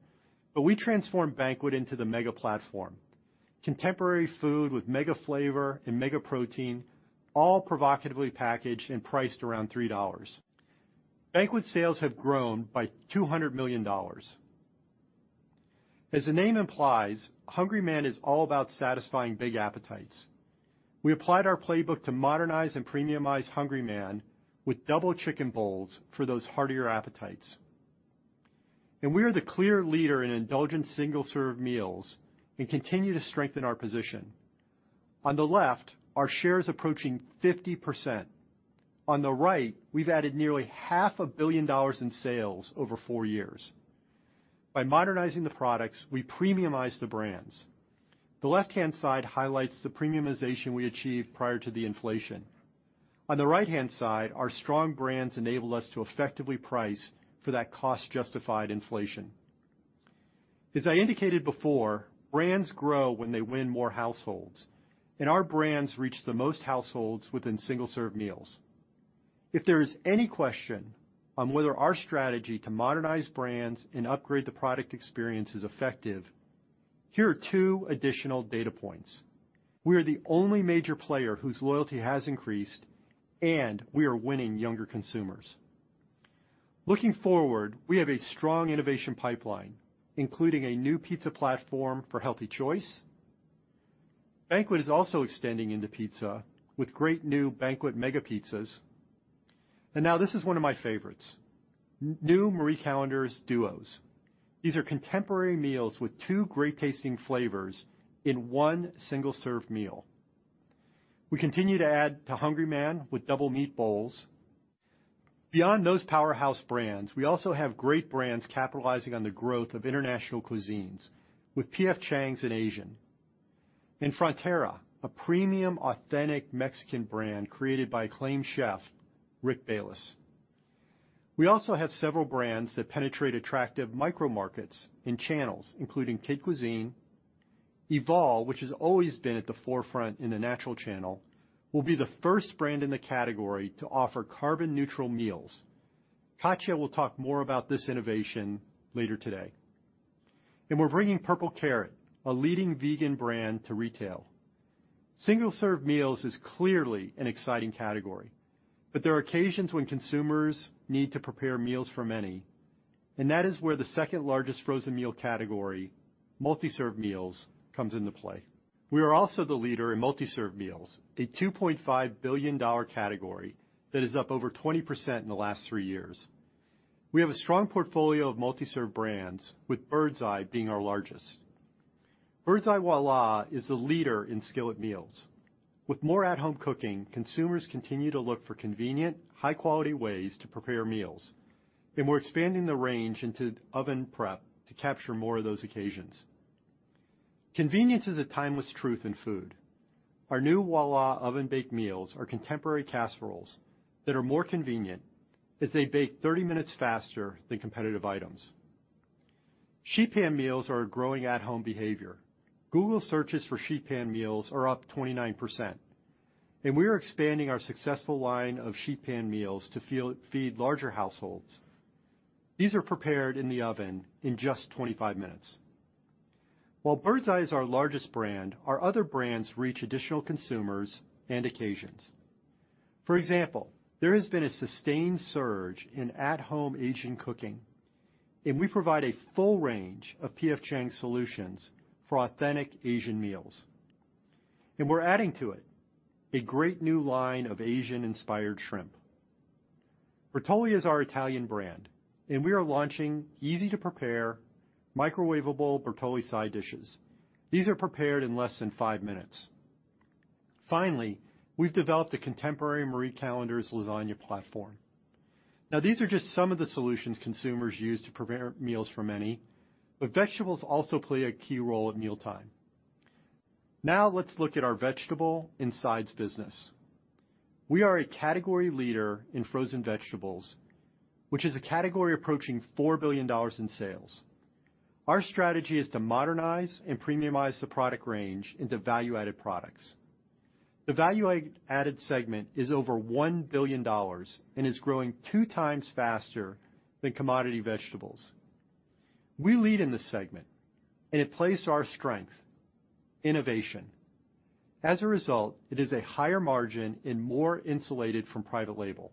but we transformed Banquet into the mega platform. Contemporary food with mega flavor and mega protein, all provocatively packaged and priced around $3. Banquet sales have grown by $200 million. As the name implies, Hungry-Man is all about satisfying big appetites. We applied our playbook to modernize and premiumize Hungry-Man with double chicken bowls for those heartier appetites. We are the clear leader in indulgent single-serve meals and continue to strengthen our position. On the left, our share is approaching 50%. On the right, we've added nearly half a billion dollars in sales over 4 years. By modernizing the products, we premiumize the brands. The left-hand side highlights the premiumization we achieved prior to the inflation. On the right-hand side, our strong brands enable us to effectively price for that cost-justified inflation. As I indicated before, brands grow when they win more households, and our brands reach the most households within single-serve meals. If there is any question on whether our strategy to modernize brands and upgrade the product experience is effective, here are two additional data points. We are the only major player whose loyalty has increased, and we are winning younger consumers. Looking forward, we have a strong innovation pipeline, including a new pizza platform for Healthy Choice. Banquet is also extending into pizza with great new Banquet Mega pizzas. Now this is one of my favorites, new Marie Callender's Duos. These are contemporary meals with two great-tasting flavors in one single-serve meal. We continue to add to Hungry-Man with double meat bowls. Beyond those powerhouse brands, we also have great brands capitalizing on the growth of international cuisines with P.F. Chang's in Asian and Frontera, a premium, authentic Mexican brand created by acclaimed chef Rick Bayless. We also have several brands that penetrate attractive micro markets in channels, including Kid Cuisine, Evol, which has always been at the forefront in the natural channel, will be the first brand in the category to offer carbon neutral meals. Katya will talk more about this innovation later today. We're bringing Purple Carrot, a leading vegan brand, to retail. Single-serve meals is clearly an exciting category, but there are occasions when consumers need to prepare meals for many, and that is where the second-largest frozen meal category, multi-serve meals, comes into play. We are also the leader in multi-serve meals, a $2.5 billion category that is up over 20% in the last three years. We have a strong portfolio of multi-serve brands, with Birds Eye being our largest. Birds Eye Voilà is the leader in skillet meals. With more at-home cooking, consumers continue to look for convenient, high-quality ways to prepare meals, and we're expanding the range into oven prep to capture more of those occasions. Convenience is a timeless truth in food. Our new Voila oven baked meals are contemporary casseroles that are more convenient as they bake 30 minutes faster than competitive items. Sheet pan meals are a growing at-home behavior. Google searches for sheet pan meals are up 29%, and we are expanding our successful line of sheet pan meals to feed larger households. These are prepared in the oven in just 25 minutes. While Birds Eye is our largest brand, our other brands reach additional consumers and occasions. For example, there has been a sustained surge in at-home Asian cooking, and we provide a full range of P.F. Chang's solutions for authentic Asian meals. We're adding to it a great new line of Asian-inspired shrimp. Bertolli is our Italian brand, and we are launching easy-to-prepare, microwavable Bertolli side dishes. These are prepared in less than 5 minutes. Finally, we've developed a contemporary Marie Callender's lasagna platform. Now these are just some of the solutions consumers use to prepare meals for many, but vegetables also play a key role at mealtime. Now let's look at our vegetable and sides business. We are a category leader in frozen vegetables, which is a category approaching $4 billion in sales. Our strategy is to modernize and premiumize the product range into value-added products. The value-added segment is over $1 billion and is growing 2x faster than commodity vegetables. We lead in this segment, and it plays to our strength: innovation. As a result, it is a higher margin and more insulated from private label.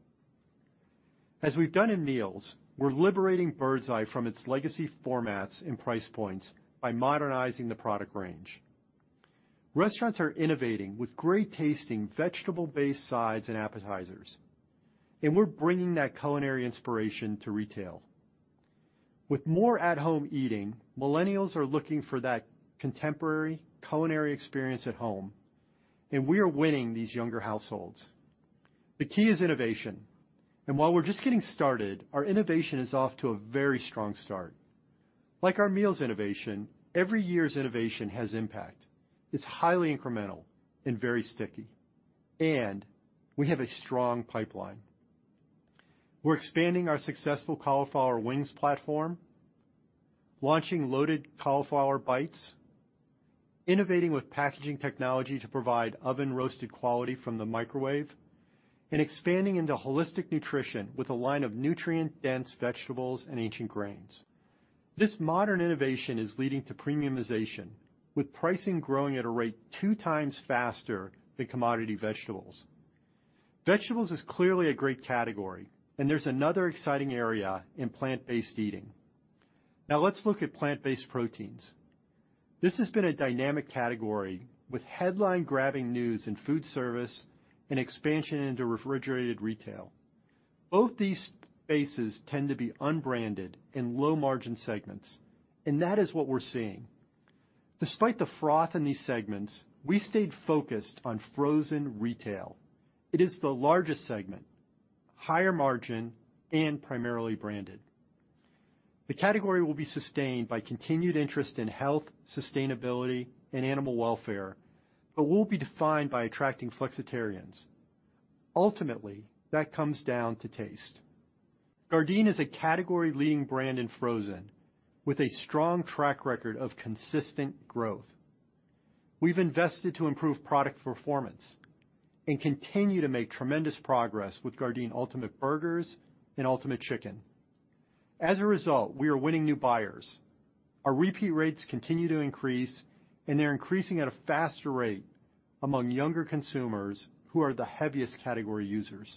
As we've done in meals, we're liberating Birds Eye from its legacy formats and price points by modernizing the product range. Restaurants are innovating with great-tasting, vegetable-based sides and appetizers, and we're bringing that culinary inspiration to retail. With more at-home eating, millennials are looking for that contemporary culinary experience at home, and we are winning these younger households. The key is innovation. While we're just getting started, our innovation is off to a very strong start. Like our meals innovation, every year's innovation has impact. It's highly incremental and very sticky, and we have a strong pipeline. We're expanding our successful cauliflower wings platform, launching loaded cauliflower bites, innovating with packaging technology to provide oven-roasted quality from the microwave, and expanding into holistic nutrition with a line of nutrient-dense vegetables and ancient grains. This modern innovation is leading to premiumization, with pricing growing at a rate 2x faster than commodity vegetables. Vegetables is clearly a great category, and there's another exciting area in plant-based eating. Now let's look at plant-based proteins. This has been a dynamic category with headline-grabbing news in food service and expansion into refrigerated retail. Both these spaces tend to be unbranded and low-margin segments, and that is what we're seeing. Despite the froth in these segments, we stayed focused on frozen retail. It is the largest segment, higher margin, and primarily branded. The category will be sustained by continued interest in health, sustainability, and animal welfare, but will be defined by attracting flexitarians. Ultimately, that comes down to taste. Gardein is a category-leading brand in frozen with a strong track record of consistent growth. We've invested to improve product performance and continue to make tremendous progress with Gardein Ultimate Burgers and Ultimate Chicken. As a result, we are winning new buyers. Our repeat rates continue to increase, and they're increasing at a faster rate among younger consumers who are the heaviest category users.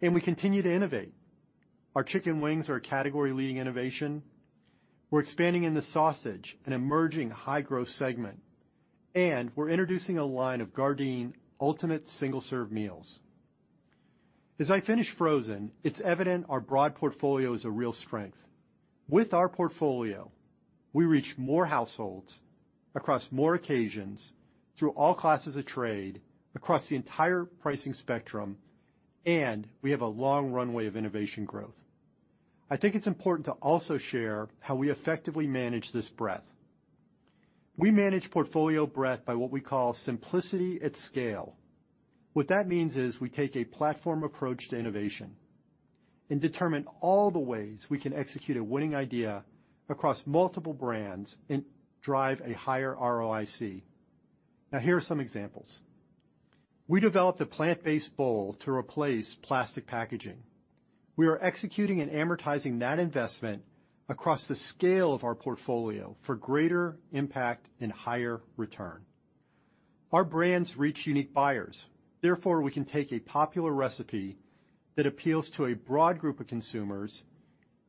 We continue to innovate. Our chicken wings are a category-leading innovation. We're expanding in the sausage, an emerging high-growth segment, and we're introducing a line of Gardein Ultimate single-serve meals. As in frozen, it's evident our broad portfolio is a real strength. With our portfolio, we reach more households across more occasions through all classes of trade across the entire pricing spectrum, and we have a long runway of innovation growth. I think it's important to also share how we effectively manage this breadth. We manage portfolio breadth by what we call simplicity at scale. What that means is we take a platform approach to innovation and determine all the ways we can execute a winning idea across multiple brands and drive a higher ROIC. Now here are some examples. We developed a plant-based bowl to replace plastic packaging. We are executing and amortizing that investment across the scale of our portfolio for greater impact and higher return. Our brands reach unique buyers. Therefore, we can take a popular recipe that appeals to a broad group of consumers,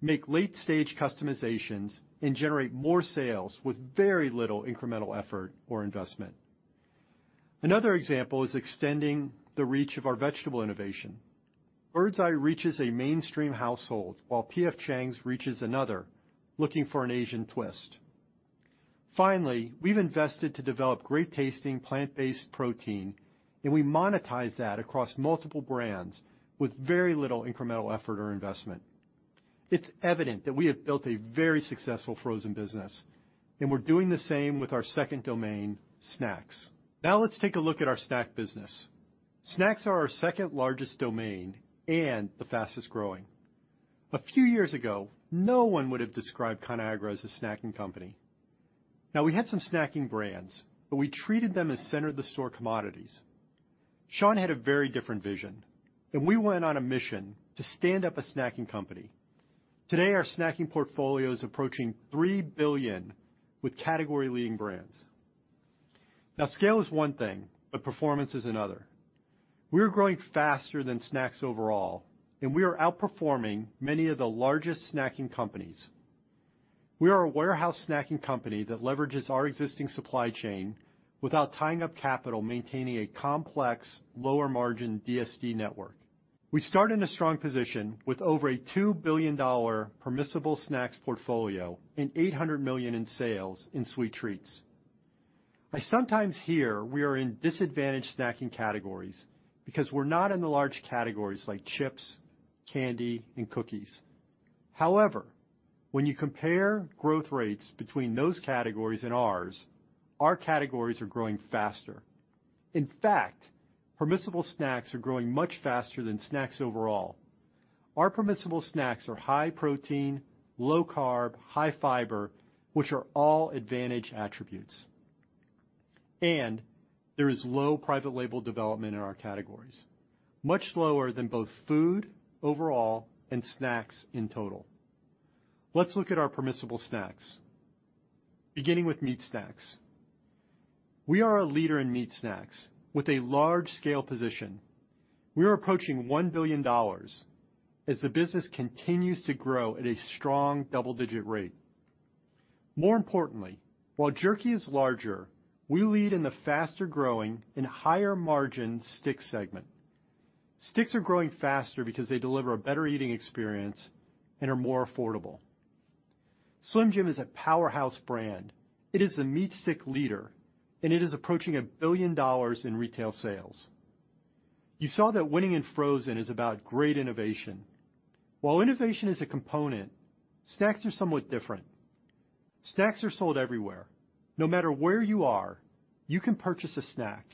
make late-stage customizations, and generate more sales with very little incremental effort or investment. Another example is extending the reach of our vegetable innovation. Birds Eye reaches a mainstream household while P.F. Chang's reaches another, looking for an Asian twist. Finally, we've invested to develop great-tasting plant-based protein, and we monetize that across multiple brands with very little incremental effort or investment. It's evident that we have built a very successful frozen business, and we're doing the same with our second domain, snacks. Now let's take a look at our snack business. Snacks are our second-largest domain and the fastest-growing. A few years ago, no one would have described Conagra as a snacking company. Now, we had some snacking brands, but we treated them as center-of-the-store commodities. Sean had a very different vision, and we went on a mission to stand up a snacking company. Today, our snacking portfolio is approaching $3 billion with category-leading brands. Now, scale is one thing, but performance is another. We're growing faster than snacks overall, and we are outperforming many of the largest snacking companies. We are a warehouse snacking company that leverages our existing supply chain without tying up capital, maintaining a complex lower margin DSD network. We start in a strong position with over a $2 billion permissible snacks portfolio and $800 million in sales in sweet treats. I sometimes hear we are in disadvantaged snacking categories because we're not in the large categories like chips, candy, and cookies. However, when you compare growth rates between those categories and ours, our categories are growing faster. In fact, permissible snacks are growing much faster than snacks overall. Our permissible snacks are high protein, low carb, high fiber, which are all advantage attributes. There is low private label development in our categories, much lower than both food overall and snacks in total. Let's look at our permissible snacks, beginning with meat snacks. We are a leader in meat snacks with a large scale position. We are approaching $1 billion as the business continues to grow at a strong double-digit rate. More importantly, while jerky is larger, we lead in the faster-growing and higher margin stick segment. Sticks are growing faster because they deliver a better eating experience and are more affordable. Slim Jim is a powerhouse brand. It is the meat stick leader, and it is approaching $1 billion in retail sales. You saw that winning in frozen is about great innovation. While innovation is a component, snacks are somewhat different. Snacks are sold everywhere. No matter where you are, you can purchase a snack.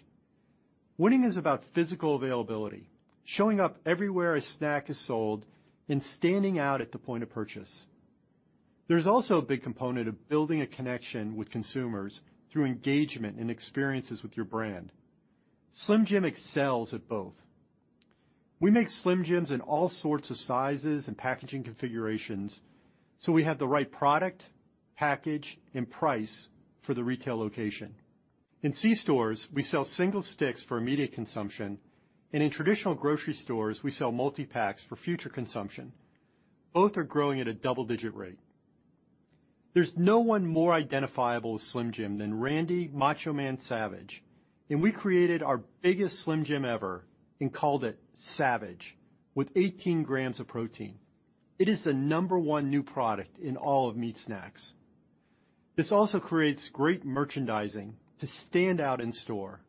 Winning is about physical availability, showing up everywhere a snack is sold and standing out at the point of purchase. There's also a big component of building a connection with consumers through engagement and experiences with your brand. Slim Jim excels at both. We make Slim Jims in all sorts of sizes and packaging configurations, so we have the right product, package, and price for the retail location. In C stores, we sell single sticks for immediate consumption, and in traditional grocery stores, we sell multi-packs for future consumption. Both are growing at a double-digit rate. There's no one more identifiable as Slim Jim than Randy Macho Man Savage, and we created our biggest Slim Jim ever and called it Savage with 18 g of protein. It is the number one new product in all of meat snacks. This also creates great merchandising to stand out in store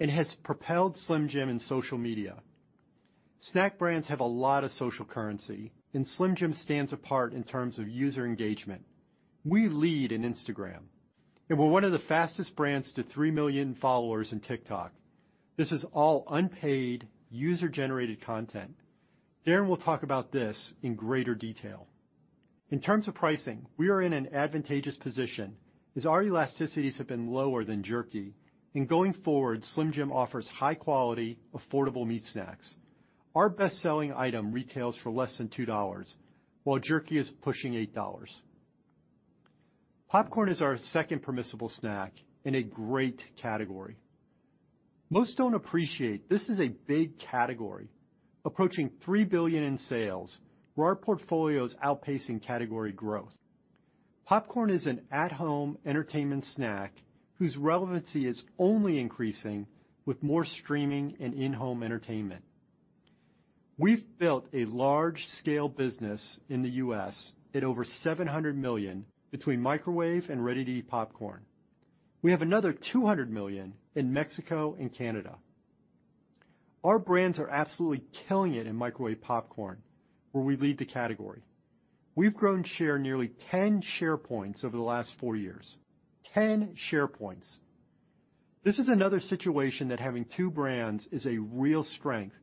and has propelled Slim Jim in social media. Snack brands have a lot of social currency, and Slim Jim stands apart in terms of user engagement. We lead in Instagram, and we're one of the fastest brands to 3 million followers in TikTok. This is all unpaid, user-generated content. Darren will talk about this in greater detail. In terms of pricing, we are in an advantageous position as our elasticities have been lower than jerky. Going forward, Slim Jim offers high-quality, affordable meat snacks. Our best-selling item retails for less than $2, while jerky is pushing $8. Popcorn is our second permissible snack and a great category. Most don't appreciate this is a big category, approaching $3 billion in sales, where our portfolio is outpacing category growth. Popcorn is an at-home entertainment snack whose relevancy is only increasing with more streaming and in-home entertainment. We've built a large-scale business in the U.S. at over $700 million between microwave and ready-to-eat popcorn. We have another $200 million in Mexico and Canada. Our brands are absolutely killing it in microwave popcorn, where we lead the category. We've grown share nearly 10 share points over the last 4 years. 10 share points. This is another situation that having two brands is a real strength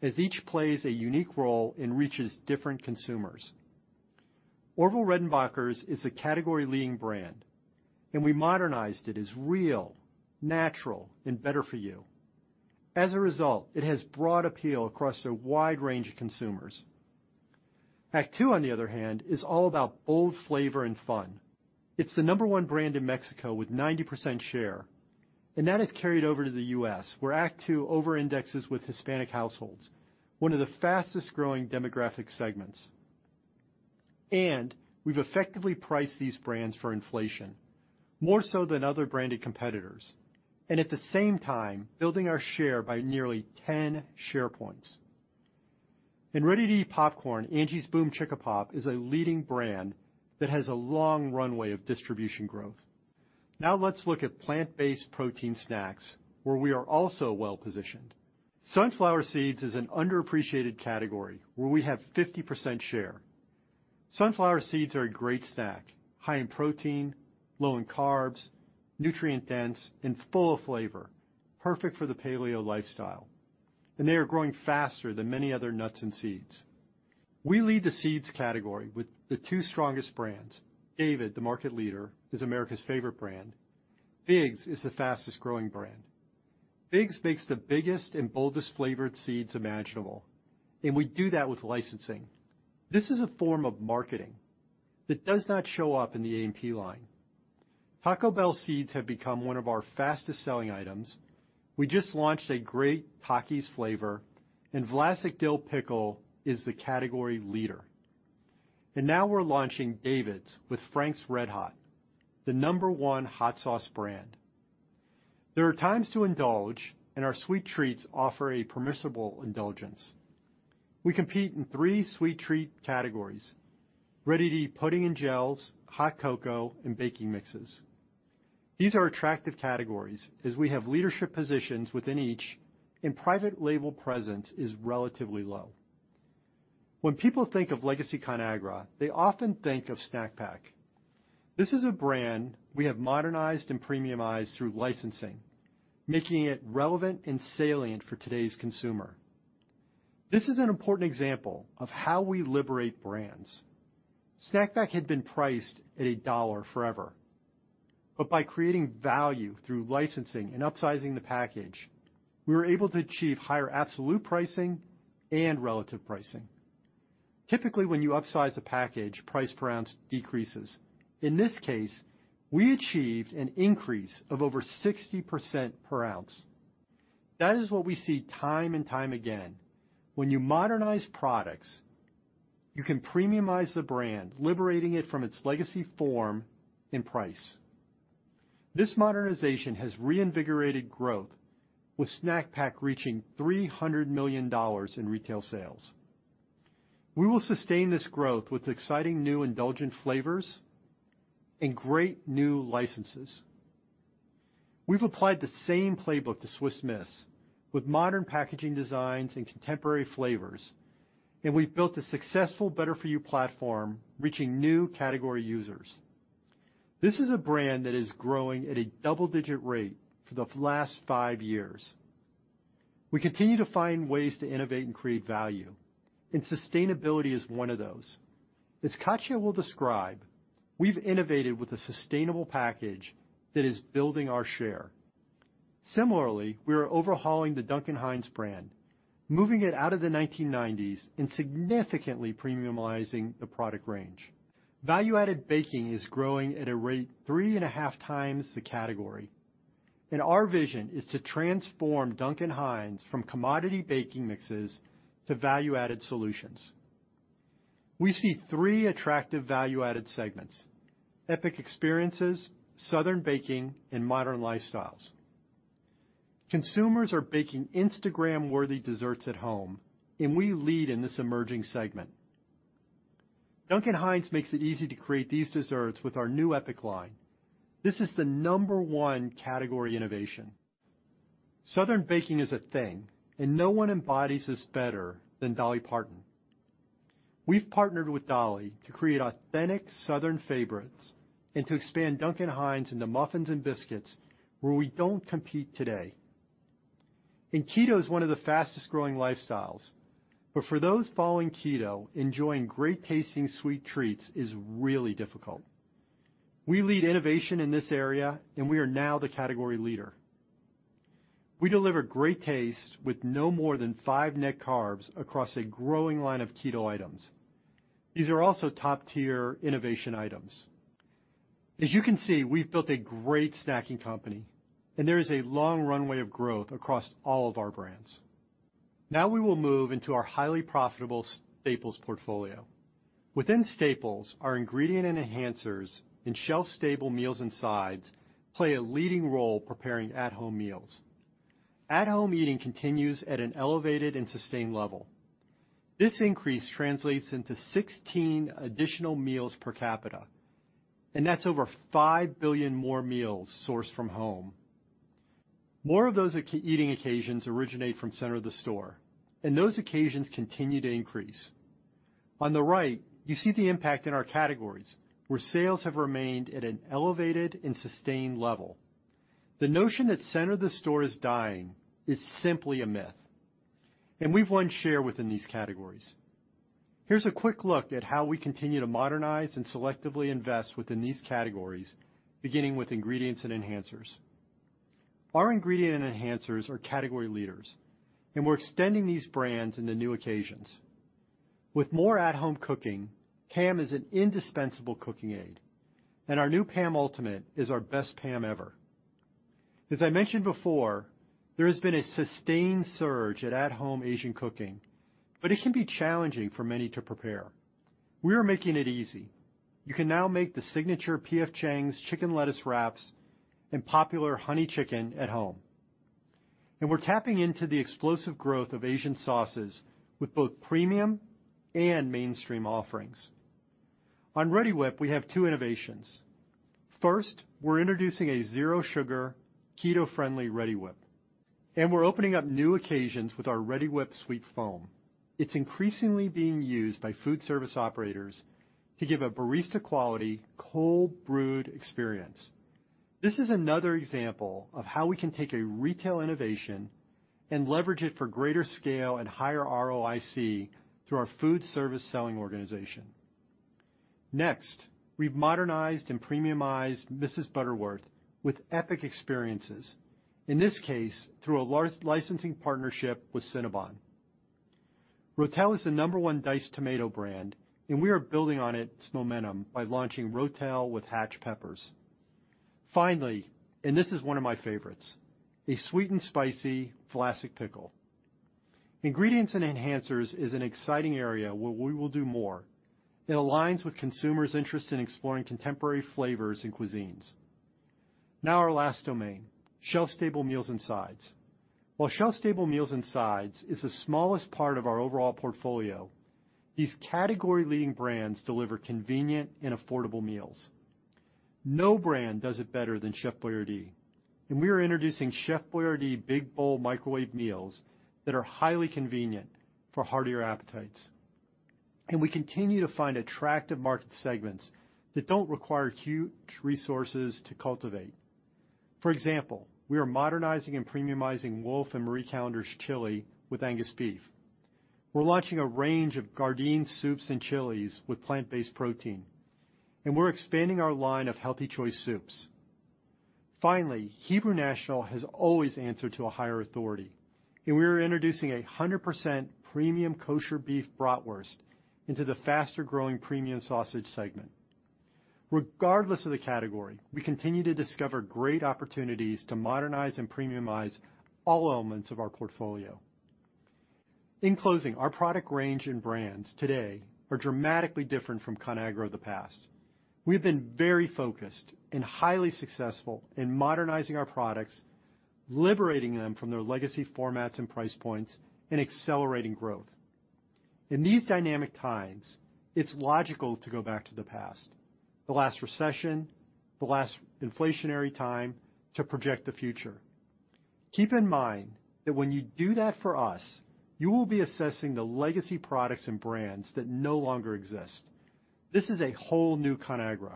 as each plays a unique role and reaches different consumers. Orville Redenbacher is a category leading brand, and we modernized it as real, natural, and better for you. As a result, it has broad appeal across a wide range of consumers. Act II, on the other hand, is all about bold flavor and fun. It's the number one brand in Mexico with 90% share, and that has carried over to the U.S., where Act II over-indexes with Hispanic households, one of the fastest-growing demographic segments. We've effectively priced these brands for inflation, more so than other branded competitors, and at the same time, building our share by nearly 10 share points. In ready-to-eat popcorn, Angie's BOOMCHICKAPOP is a leading brand that has a long runway of distribution growth. Now let's look at plant-based protein snacks, where we are also well-positioned. Sunflower seeds is an underappreciated category where we have 50% share. Sunflower seeds are a great snack, high in protein, low in carbs, nutrient-dense, and full of flavor, perfect for the paleo lifestyle. They are growing faster than many other nuts and seeds. We lead the seeds category with the two strongest brands. David, the market leader, is America's favorite brand. BIGS is the fastest-growing brand. BIGS makes the biggest and boldest flavored seeds imaginable, and we do that with licensing. This is a form of marketing that does not show up in the A&P line. Taco Bell seeds have become one of our fastest-selling items. We just launched a great Takis flavor, and Vlasic Dill Pickle is the category leader. Now we're launching David's with Frank's RedHot, the number one hot sauce brand. There are times to indulge, and our sweet treats offer a permissible indulgence. We compete in three sweet treat categories, ready-to-eat pudding and gels, hot cocoa, and baking mixes. These are attractive categories as we have leadership positions within each and private label presence is relatively low. When people think of legacy Conagra, they often think of Snack Pack. This is a brand we have modernized and premiumized through licensing, making it relevant and salient for today's consumer. This is an important example of how we liberate brands. Snack Pack had been priced at $1 forever. By creating value through licensing and upsizing the package, we were able to achieve higher absolute pricing and relative pricing. Typically, when you upsize a package, price per ounce decreases. In this case, we achieved an increase of over 60% per ounce. That is what we see time and time again. When you modernize products, you can premiumize the brand, liberating it from its legacy form and price. This modernization has reinvigorated growth, with Snack Pack reaching $300 million in retail sales. We will sustain this growth with exciting new indulgent flavors and great new licenses. We've applied the same playbook to Swiss Miss with modern packaging designs and contemporary flavors, and we've built a successful Better For You platform, reaching new category users. This is a brand that is growing at a double-digit rate for the last five years. We continue to find ways to innovate and create value, and sustainability is one of those. As Katya will describe, we've innovated with a sustainable package that is building our share. Similarly, we are overhauling the Duncan Hines brand, moving it out of the 1990s and significantly premiumizing the product range. Value-added baking is growing at a rate 3.5x the category, and our vision is to transform Duncan Hines from commodity baking mixes to value-added solutions. We see three attractive value-added segments, epic experiences, southern baking, and modern lifestyles. Consumers are baking Instagram-worthy desserts at home, and we lead in this emerging segment. Duncan Hines makes it easy to create these desserts with our new Epic line. This is the #1 category innovation. Southern baking is a thing, and no one embodies this better than Dolly Parton. We've partnered with Dolly to create authentic Southern favorites and to expand Duncan Hines into muffins and biscuits where we don't compete today. Keto is one of the fastest-growing lifestyles. For those following keto, enjoying great-tasting sweet treats is really difficult. We lead innovation in this area, and we are now the category leader. We deliver great taste with no more than 5 net carbs across a growing line of keto items. These are also top-tier innovation items. As you can see, we've built a great snacking company, and there is a long runway of growth across all of our brands. Now we will move into our highly profitable Staples portfolio. Within Staples, our ingredient and enhancers in shelf-stable meals and sides play a leading role preparing at-home meals. At-home eating continues at an elevated and sustained level. This increase translates into 16 additional meals per capita, and that's over 5 billion more meals sourced from home. More of those eating occasions originate from center of the store, and those occasions continue to increase. On the right, you see the impact in our categories, where sales have remained at an elevated and sustained level. The notion that center of the store is dying is simply a myth, and we've won share within these categories. Here's a quick look at how we continue to modernize and selectively invest within these categories, beginning with ingredients and enhancers. Our ingredient and enhancers are category leaders, and we're extending these brands into new occasions. With more at-home cooking, PAM is an indispensable cooking aid, and our new PAM Ultimate is our best PAM ever. As I mentioned before, there has been a sustained surge in at-home Asian cooking, but it can be challenging for many to prepare. We are making it easy. You can now make the signature P.F. Chang's chicken lettuce wraps and popular honey chicken at home. We're tapping into the explosive growth of Asian sauces with both premium and mainstream offerings. On Reddi-wip, we have two innovations. First, we're introducing a zero-sugar, keto-friendly Reddi-wip, and we're opening up new occasions with our Reddi-wip Sweet Foam. It's increasingly being used by food service operators to give a barista quality cold brewed experience. This is another example of how we can take a retail innovation and leverage it for greater scale and higher ROIC through our food service selling organization. Next, we've modernized and premiumized Mrs. Butterworth's with epic experiences, in this case, through a large licensing partnership with Cinnabon. Ro-Tel is the number one diced tomato brand, and we are building on its momentum by launching Ro-Tel with hatch peppers. Finally, and this is one of my favorites, a sweet and spicy Vlasic pickle. Ingredients and enhancers is an exciting area where we will do more. It aligns with consumers' interest in exploring contemporary flavors and cuisines. Now our last domain, shelf-stable meals and sides. While shelf-stable meals and sides is the smallest part of our overall portfolio, these category leading brands deliver convenient and affordable meals. No brand does it better than Chef Boyardee, and we are introducing Chef Boyardee big bowl microwave meals that are highly convenient for heartier appetites. We continue to find attractive market segments that don't require huge resources to cultivate. For example, we are modernizing and premiumizing Wolf and Marie Callender's chili with Angus beef. We're launching a range of Gardein soups and chilies with plant-based protein, and we're expanding our line of Healthy Choice soups. Finally, Hebrew National has always answered to a higher authority, and we are introducing 100% premium kosher beef bratwurst into the faster-growing premium sausage segment. Regardless of the category, we continue to discover great opportunities to modernize and premiumize all elements of our portfolio. In closing, our product range and brands today are dramatically different from Conagra of the past. We've been very focused and highly successful in modernizing our products, liberating them from their legacy formats and price points, and accelerating growth. In these dynamic times, it's logical to go back to the past, the last recession, the last inflationary time to project the future. Keep in mind that when you do that for us, you will be assessing the legacy products and brands that no longer exist. This is a whole new Conagra.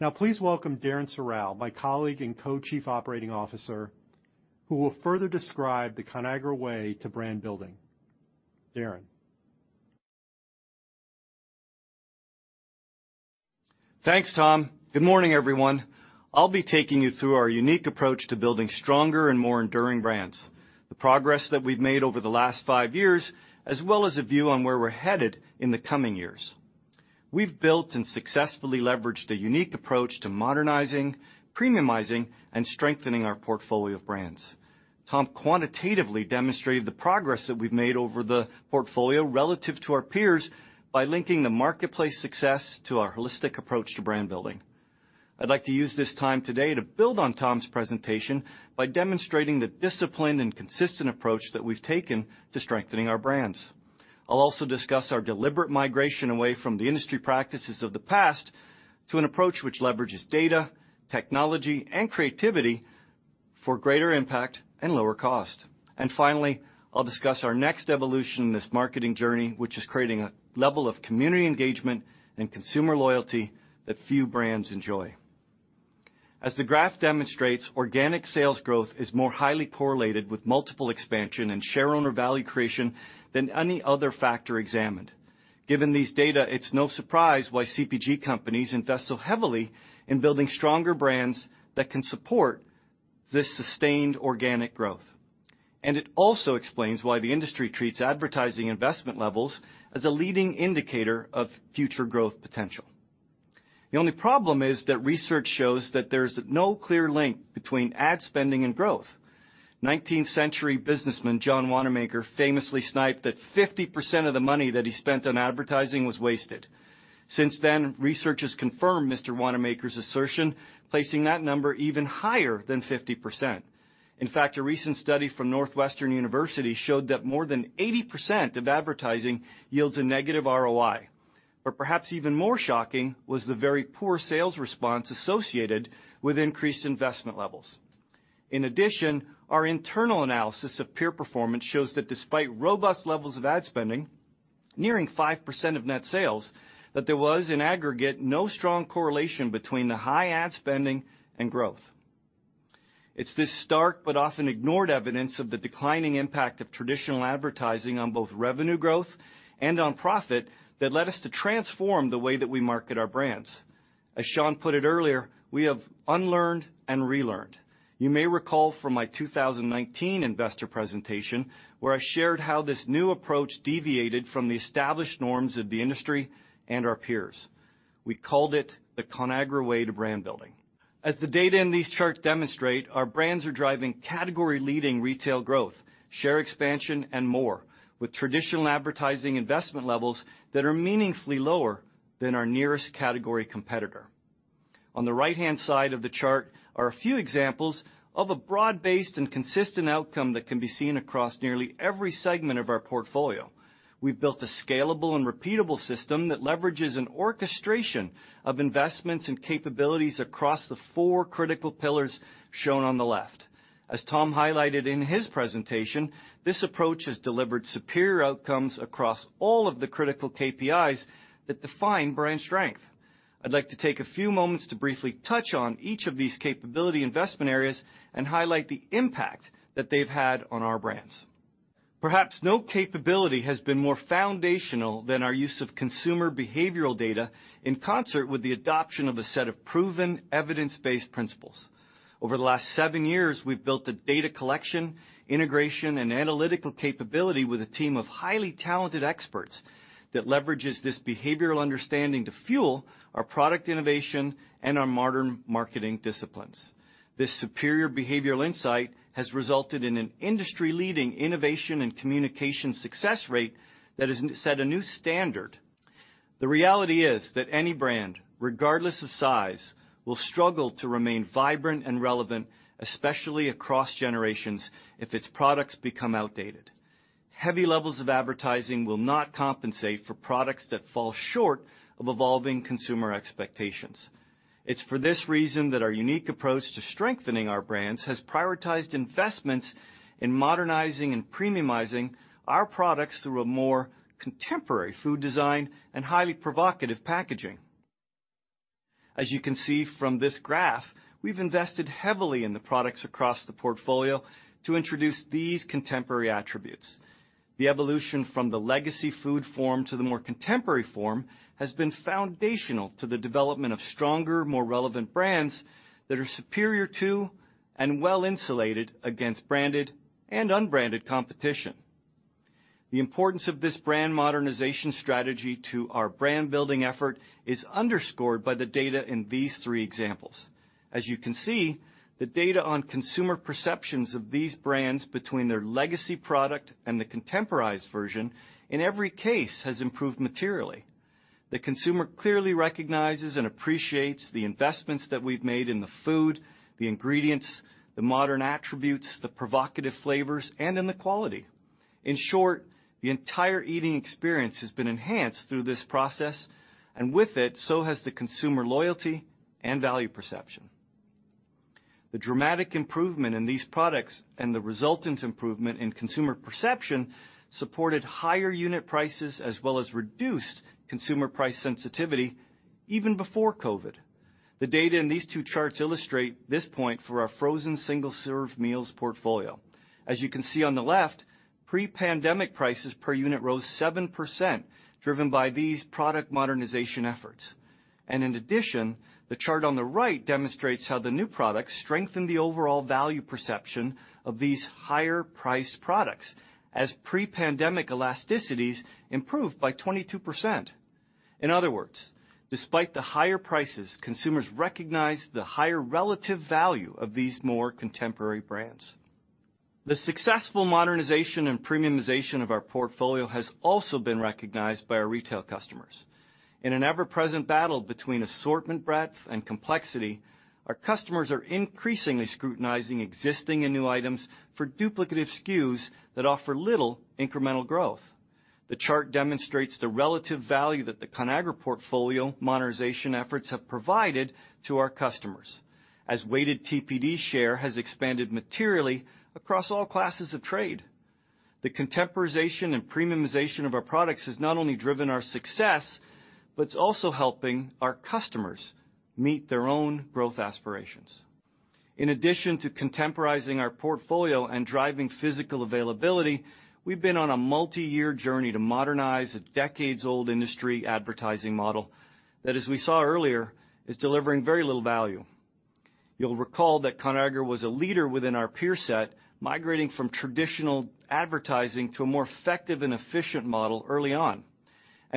Now, please welcome Darren Serrao, my colleague and Co-Chief Operating Officer, who will further describe the Conagra Way to brand building. Darren. Thanks, Tom. Good morning, everyone. I'll be taking you through our unique approach to building stronger and more enduring brands, the progress that we've made over the last five years, as well as a view on where we're headed in the coming years. We've built and successfully leveraged a unique approach to modernizing, premiumizing, and strengthening our portfolio of brands. Tom quantitatively demonstrated the progress that we've made over the portfolio relative to our peers by linking the marketplace success to our holistic approach to brand building. I'd like to use this time today to build on Tom's presentation by demonstrating the disciplined and consistent approach that we've taken to strengthening our brands. I'll also discuss our deliberate migration away from the industry practices of the past to an approach which leverages data, technology, and creativity for greater impact and lower cost. Finally, I'll discuss our next evolution in this marketing journey, which is creating a level of community engagement and consumer loyalty that few brands enjoy. As the graph demonstrates, organic sales growth is more highly correlated with multiple expansion and shareowner value creation than any other factor examined. Given these data, it's no surprise why CPG companies invest so heavily in building stronger brands that can support this sustained organic growth. It also explains why the industry treats advertising investment levels as a leading indicator of future growth potential. The only problem is that research shows that there's no clear link between ad spending and growth. Nineteenth century businessman John Wanamaker famously sniped that 50% of the money that he spent on advertising was wasted. Since then, research has confirmed Mr. Wanamaker's assertion, placing that number even higher than 50%. In fact, a recent study from Northwestern University showed that more than 80% of advertising yields a negative ROI. Perhaps even more shocking was the very poor sales response associated with increased investment levels. In addition, our internal analysis of peer performance shows that despite robust levels of ad spending nearing 5% of net sales, that there was, in aggregate, no strong correlation between the high ad spending and growth. It's this stark but often ignored evidence of the declining impact of traditional advertising on both revenue growth and on profit that led us to transform the way that we market our brands. As Sean put it earlier, we have unlearned and relearned. You may recall from my 2019 investor presentation where I shared how this new approach deviated from the established norms of the industry and our peers. We called it the Conagra Way to Brand Building. As the data in these charts demonstrate, our brands are driving category-leading retail growth, share expansion, and more with traditional advertising investment levels that are meaningfully lower than our nearest category competitor. On the right-hand side of the chart are a few examples of a broad-based and consistent outcome that can be seen across nearly every segment of our portfolio. We've built a scalable and repeatable system that leverages an orchestration of investments and capabilities across the four critical pillars shown on the left. As Tom highlighted in his presentation, this approach has delivered superior outcomes across all of the critical KPIs that define brand strength. I'd like to take a few moments to briefly touch on each of these capability investment areas and highlight the impact that they've had on our brands. Perhaps no capability has been more foundational than our use of consumer behavioral data in concert with the adoption of a set of proven evidence-based principles. Over the last seven years, we've built a data collection, integration, and analytical capability with a team of highly talented experts that leverages this behavioral understanding to fuel our product innovation and our modern marketing disciplines. This superior behavioral insight has resulted in an industry-leading innovation and communication success rate that has set a new standard. The reality is that any brand, regardless of size, will struggle to remain vibrant and relevant, especially across generations if its products become outdated. Heavy levels of advertising will not compensate for products that fall short of evolving consumer expectations. It's for this reason that our unique approach to strengthening our brands has prioritized investments in modernizing and premiumizing our products through a more contemporary food design and highly provocative packaging. As you can see from this graph, we've invested heavily in the products across the portfolio to introduce these contemporary attributes. The evolution from the legacy food form to the more contemporary form has been foundational to the development of stronger, more relevant brands that are superior to and well-insulated against branded and unbranded competition. The importance of this brand modernization strategy to our brand-building effort is underscored by the data in these three examples. As you can see, the data on consumer perceptions of these brands between their legacy product and the contemporized version in every case has improved materially. The consumer clearly recognizes and appreciates the investments that we've made in the food, the ingredients, the modern attributes, the provocative flavors, and in the quality. In short, the entire eating experience has been enhanced through this process, and with it, so has the consumer loyalty and value perception. The dramatic improvement in these products and the resultant improvement in consumer perception supported higher unit prices as well as reduced consumer price sensitivity even before COVID. The data in these two charts illustrate this point for our frozen single-serve meals portfolio. As you can see on the left, pre-pandemic prices per unit rose 7%, driven by these product modernization efforts. The chart on the right demonstrates how the new products strengthen the overall value perception of these higher priced products as pre-pandemic elasticities improved by 22%. In other words, despite the higher prices, consumers recognize the higher relative value of these more contemporary brands. The successful modernization and premiumization of our portfolio has also been recognized by our retail customers. In an ever-present battle between assortment breadth and complexity, our customers are increasingly scrutinizing existing and new items for duplicative SKUs that offer little incremental growth. The chart demonstrates the relative value that the Conagra portfolio modernization efforts have provided to our customers as weighted TDP share has expanded materially across all classes of trade. The contemporization and premiumization of our products has not only driven our success but it's also helping our customers meet their own growth aspirations. In addition to contemporizing our portfolio and driving physical availability, we've been on a multiyear journey to modernize a decades-old industry advertising model that, as we saw earlier, is delivering very little value. You'll recall that Conagra was a leader within our peer set, migrating from traditional advertising to a more effective and efficient model early on.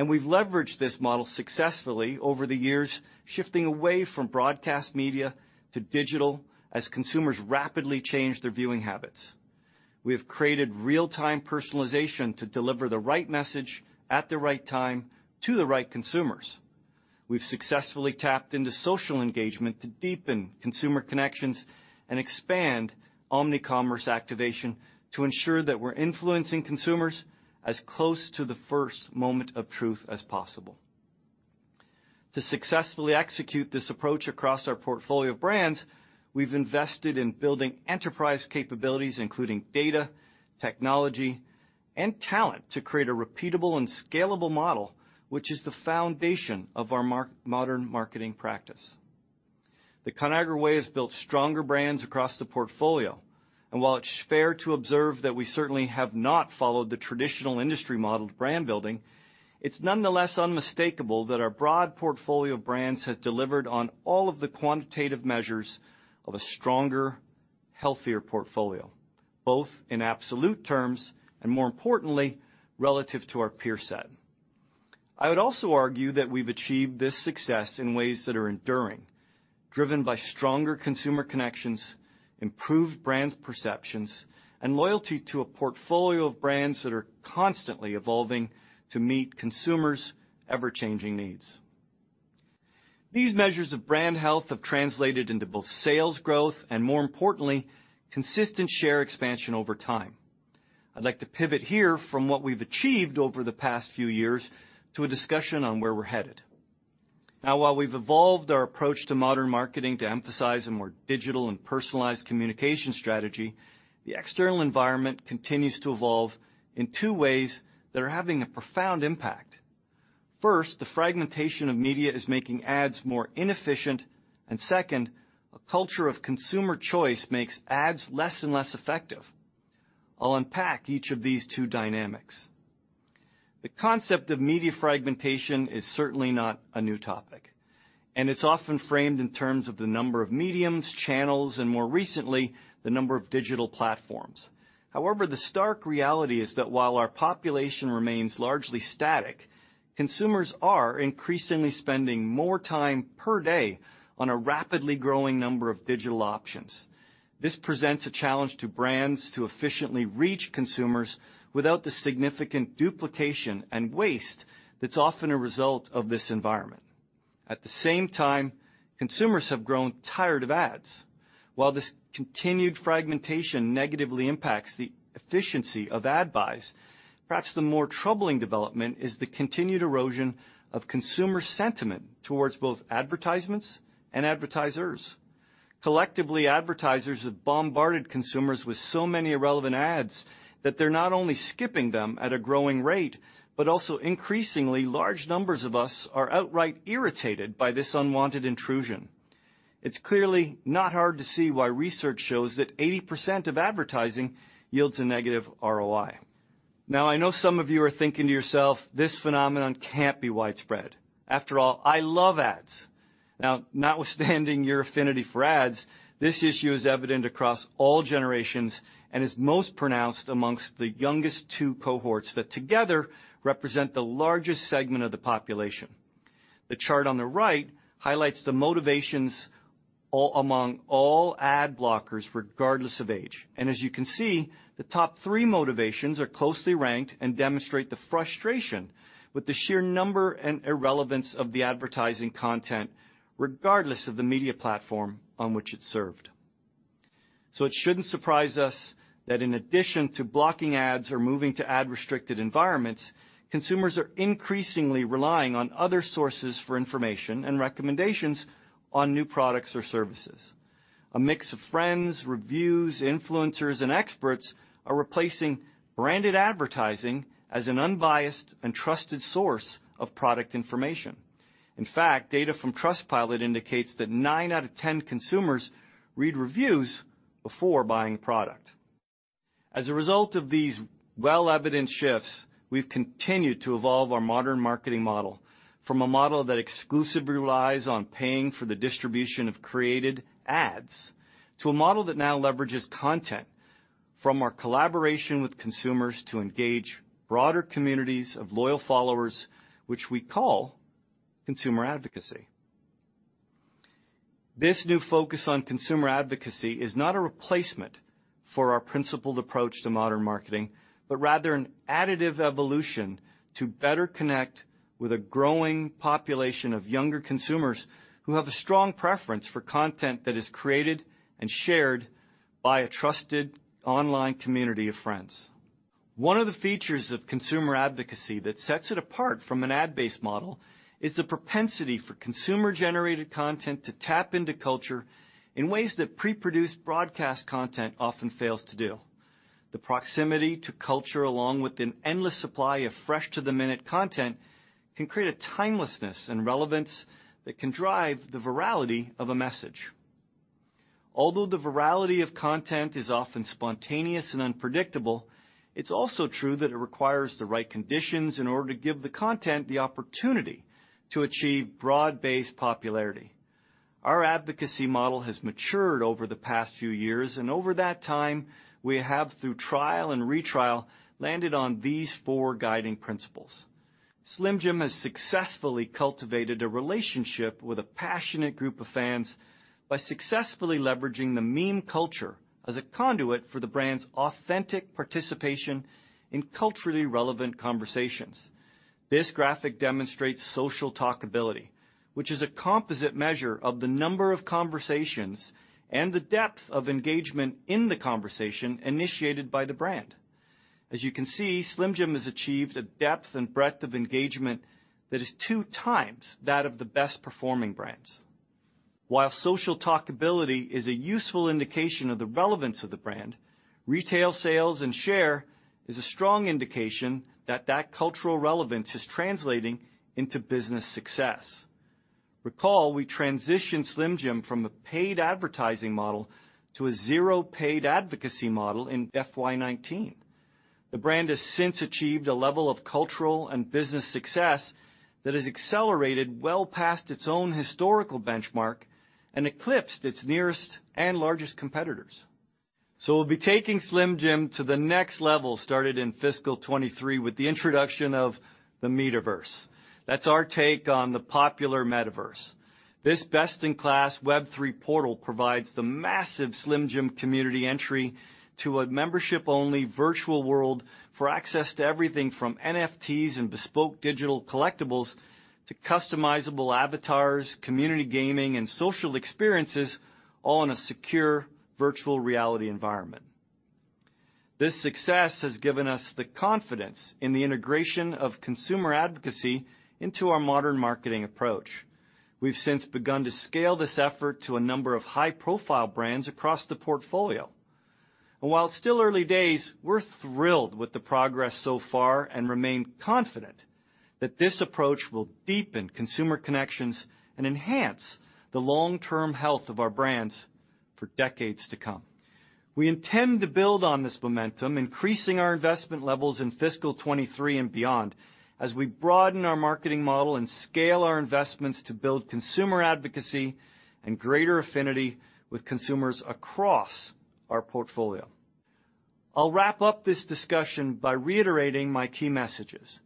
We've leveraged this model successfully over the years, shifting away from broadcast media to digital as consumers rapidly change their viewing habits. We have created real-time personalization to deliver the right message at the right time to the right consumers. We've successfully tapped into social engagement to deepen consumer connections and expand omnicommerce activation to ensure that we're influencing consumers as close to the first moment of truth as possible. To successfully execute this approach across our portfolio of brands, we've invested in building enterprise capabilities, including data, technology, and talent to create a repeatable and scalable model, which is the foundation of our modern marketing practice. The Conagra Way has built stronger brands across the portfolio, and while it's fair to observe that we certainly have not followed the traditional industry model to brand building, it's nonetheless unmistakable that our broad portfolio of brands has delivered on all of the quantitative measures of a stronger, healthier portfolio, both in absolute terms and more importantly, relative to our peer set. I would also argue that we've achieved this success in ways that are enduring, driven by stronger consumer connections, improved brand perceptions, and loyalty to a portfolio of brands that are constantly evolving to meet consumers' ever-changing needs. These measures of brand health have translated into both sales growth and, more importantly, consistent share expansion over time. I'd like to pivot here from what we've achieved over the past few years to a discussion on where we're headed. Now while we've evolved our approach to modern marketing to emphasize a more digital and personalized communication strategy, the external environment continues to evolve in two ways that are having a profound impact. First, the fragmentation of media is making ads more inefficient, and second, a culture of consumer choice makes ads less and less effective. I'll unpack each of these two dynamics. The concept of media fragmentation is certainly not a new topic, and it's often framed in terms of the number of mediums, channels, and more recently, the number of digital platforms. However, the stark reality is that while our population remains largely static, consumers are increasingly spending more time per day on a rapidly growing number of digital options. This presents a challenge to brands to efficiently reach consumers without the significant duplication and waste that's often a result of this environment. At the same time, consumers have grown tired of ads. While this continued fragmentation negatively impacts the efficiency of ad buys, perhaps the more troubling development is the continued erosion of consumer sentiment towards both advertisements and advertisers. Collectively, advertisers have bombarded consumers with so many irrelevant ads that they're not only skipping them at a growing rate, but also increasingly large numbers of us are outright irritated by this unwanted intrusion. It's clearly not hard to see why research shows that 80% of advertising yields a negative ROI. Now I know some of you are thinking to yourself, "This phenomenon can't be widespread. After all, I love ads." Now notwithstanding your affinity for ads, this issue is evident across all generations and is most pronounced among the youngest two cohorts that together represent the largest segment of the population. The chart on the right highlights the motivations among all ad blockers, regardless of age. As you can see, the top three motivations are closely ranked and demonstrate the frustration with the sheer number and irrelevance of the advertising content, regardless of the media platform on which it's served. It shouldn't surprise us that in addition to blocking ads or moving to ad restricted environments, consumers are increasingly relying on other sources for information and recommendations on new products or services. A mix of friends, reviews, influencers, and experts are replacing branded advertising as an unbiased and trusted source of product information. In fact, data from Trustpilot indicates that nine out of ten consumers read reviews before buying a product. As a result of these well-evidenced shifts, we've continued to evolve our modern marketing model from a model that exclusively relies on paying for the distribution of created ads, to a model that now leverages content from our collaboration with consumers to engage broader communities of loyal followers, which we call consumer advocacy. This new focus on consumer advocacy is not a replacement for our principled approach to modern marketing, but rather an additive evolution to better connect with a growing population of younger consumers who have a strong preference for content that is created and shared by a trusted online community of friends. One of the features of consumer advocacy that sets it apart from an ad-based model is the propensity for consumer-generated content to tap into culture in ways that pre-produced broadcast content often fails to do. The proximity to culture, along with an endless supply of fresh to the minute content, can create a timelessness and relevance that can drive the virality of a message. Although the virality of content is often spontaneous and unpredictable, it's also true that it requires the right conditions in order to give the content the opportunity to achieve broad-based popularity. Our advocacy model has matured over the past few years, and over that time, we have, through trial and retrial, landed on these four guiding principles. Slim Jim has successfully cultivated a relationship with a passionate group of fans by successfully leveraging the meme culture as a conduit for the brand's authentic participation in culturally relevant conversations. This graphic demonstrates social talkability, which is a composite measure of the number of conversations and the depth of engagement in the conversation initiated by the brand. As you can see, Slim Jim has achieved a depth and breadth of engagement that is two times that of the best performing brands. While social talkability is a useful indication of the relevance of the brand, retail sales and share is a strong indication that cultural relevance is translating into business success. Recall, we transitioned Slim Jim from a paid advertising model to a zero paid advocacy model in FY 2019. The brand has since achieved a level of cultural and business success that has accelerated well past its own historical benchmark and eclipsed its nearest and largest competitors. We'll be taking Slim Jim to the next level, started in fiscal 2023 with the introduction of the Metaverse. That's our take on the popular Metaverse. This best-in-class Web3 portal provides the massive Slim Jim community entry to a membership-only virtual world for access to everything from NFTs and bespoke digital collectibles to customizable avatars, community gaming, and social experiences, all in a secure virtual reality environment. This success has given us the confidence in the integration of consumer advocacy into our modern marketing approach. We've since begun to scale this effort to a number of high-profile brands across the portfolio. While it's still early days, we're thrilled with the progress so far and remain confident that this approach will deepen consumer connections and enhance the long-term health of our brands for decades to come. We intend to build on this momentum, increasing our investment levels in fiscal 2023 and beyond as we broaden our marketing model and scale our investments to build consumer advocacy and greater affinity with consumers across our portfolio. I'll wrap up this discussion by reiterating my key messages.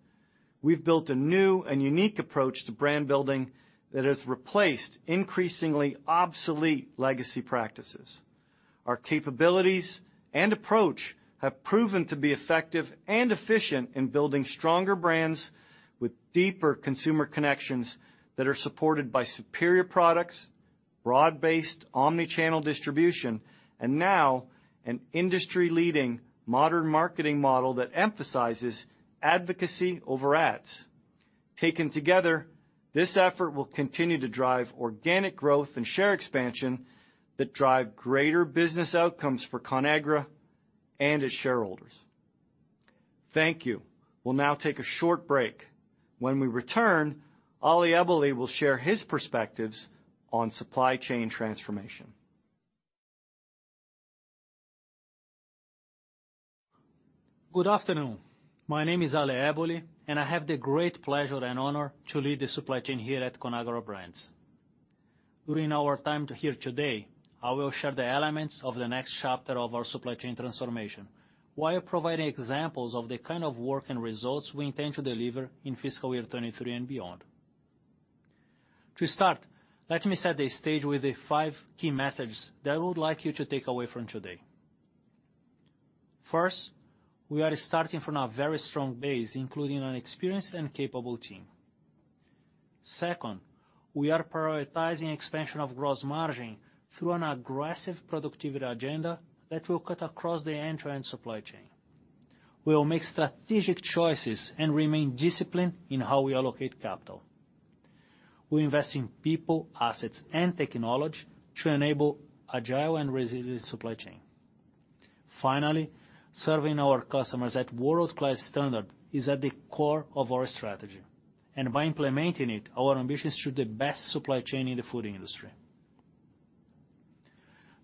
We've built a new and unique approach to brand building that has replaced increasingly obsolete legacy practices. Our capabilities and approach have proven to be effective and efficient in building stronger brands with deeper consumer connections that are supported by superior products, broad-based omni-channel distribution, and now an industry-leading modern marketing model that emphasizes advocacy over ads. Taken together, this effort will continue to drive organic growth and share expansion that drive greater business outcomes for Conagra and its shareholders. Thank you. We'll now take a short break. When we return, Alexandre Eboli will share his perspectives on supply chain transformation. Good afternoon. My name is Alexandre Eboli, and I have the great pleasure and honor to lead the supply chain here at Conagra Brands. During our time here today, I will share the elements of the next chapter of our supply chain transformation while providing examples of the kind of work and results we intend to deliver in fiscal year 2023 and beyond. To start, let me set the stage with the 5 key messages that I would like you to take away from today. First, we are starting from a very strong base, including an experienced and capable team. Second, we are prioritizing expansion of gross margin through an aggressive productivity agenda that will cut across the end-to-end supply chain. We will make strategic choices and remain disciplined in how we allocate capital. We invest in people, assets, and technology to enable agile and resilient supply chain. Finally, serving our customers to world-class standards is at the core of our strategy, and by implementing it, our ambition is to be the best supply chain in the food industry.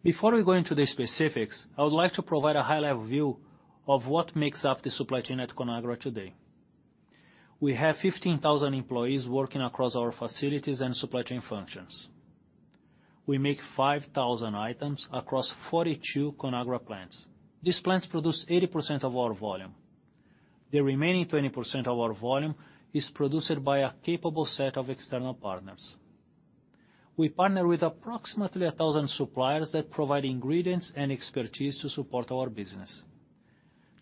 Before we go into the specifics, I would like to provide a high-level view of what makes up the supply chain at Conagra today. We have 15,000 employees working across our facilities and supply chain functions. We make 5,000 items across 42 Conagra plants. These plants produce 80% of our volume. The remaining 20% of our volume is produced by a capable set of external partners. We partner with approximately 1,000 suppliers that provide ingredients and expertise to support our business.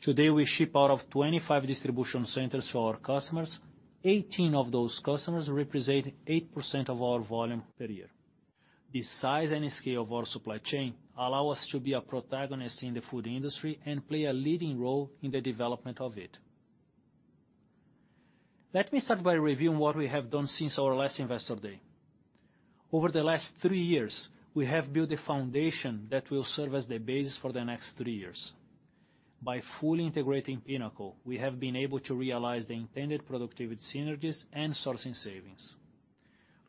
Today, we ship out of 25 distribution centers to our customers. Eighteen of those customers represent 8% of our volume per year. The size and scale of our supply chain allow us to be a protagonist in the food industry and play a leading role in the development of it. Let me start by reviewing what we have done since our last Investor Day. Over the last three years, we have built a foundation that will serve as the base for the next three years. By fully integrating Pinnacle, we have been able to realize the intended productivity synergies and sourcing savings.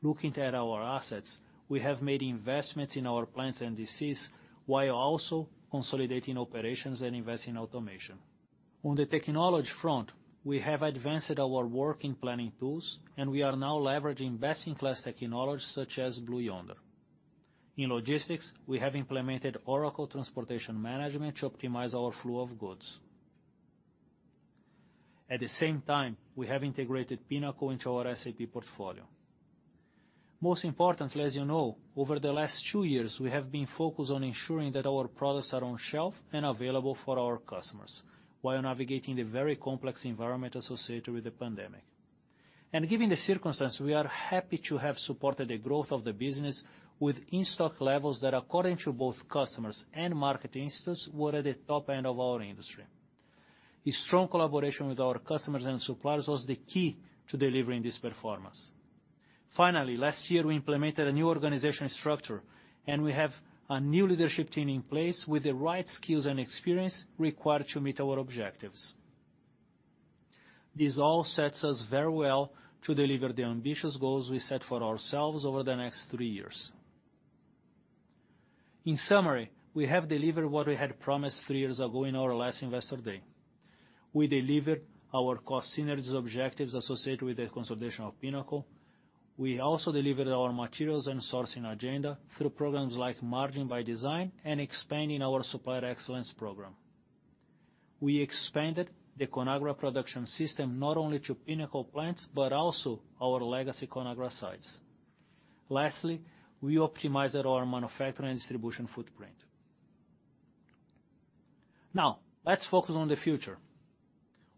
Looking at our assets, we have made investments in our plants and DCs, while also consolidating operations and investing in automation. On the technology front, we have advanced our work planning tools, and we are now leveraging best-in-class technology such as Blue Yonder. In logistics, we have implemented Oracle Transportation Management to optimize our flow of goods. At the same time, we have integrated Pinnacle into our SAP portfolio. Most importantly, as you know, over the last two years, we have been focused on ensuring that our products are on shelf and available for our customers while navigating the very complex environment associated with the pandemic. Given the circumstance, we are happy to have supported the growth of the business with in-stock levels that according to both customers and market institutes, were at the top end of our industry. A strong collaboration with our customers and suppliers was the key to delivering this performance. Finally, last year, we implemented a new organizational structure, and we have a new leadership team in place with the right skills and experience required to meet our objectives. This all sets us very well to deliver the ambitious goals we set for ourselves over the next three years. In summary, we have delivered what we had promised three years ago in our last investor day. We delivered our cost synergies objectives associated with the consolidation of Pinnacle. We also delivered our materials and sourcing agenda through programs like Margin by Design and expanding our Supplier Excellence program. We expanded the Conagra Production System, not only to Pinnacle plants, but also our legacy Conagra sites. Lastly, we optimized our manufacturing and distribution footprint. Now, let's focus on the future.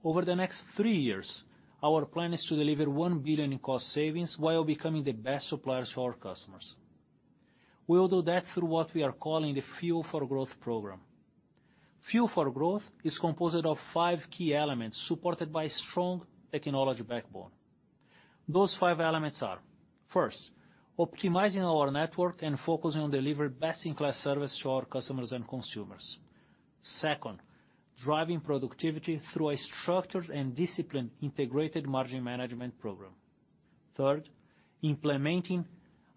Over the next three years, our plan is to deliver $1 billion in cost savings while becoming the best suppliers to our customers. We will do that through what we are calling the Fuel for Growth program. Fuel for Growth is composed of five key elements supported by strong technology backbone. Those five elements are. First, optimizing our network and focusing on delivering best-in-class service to our customers and consumers. Second, driving productivity through a structured and disciplined integrated margin management program. Third, implementing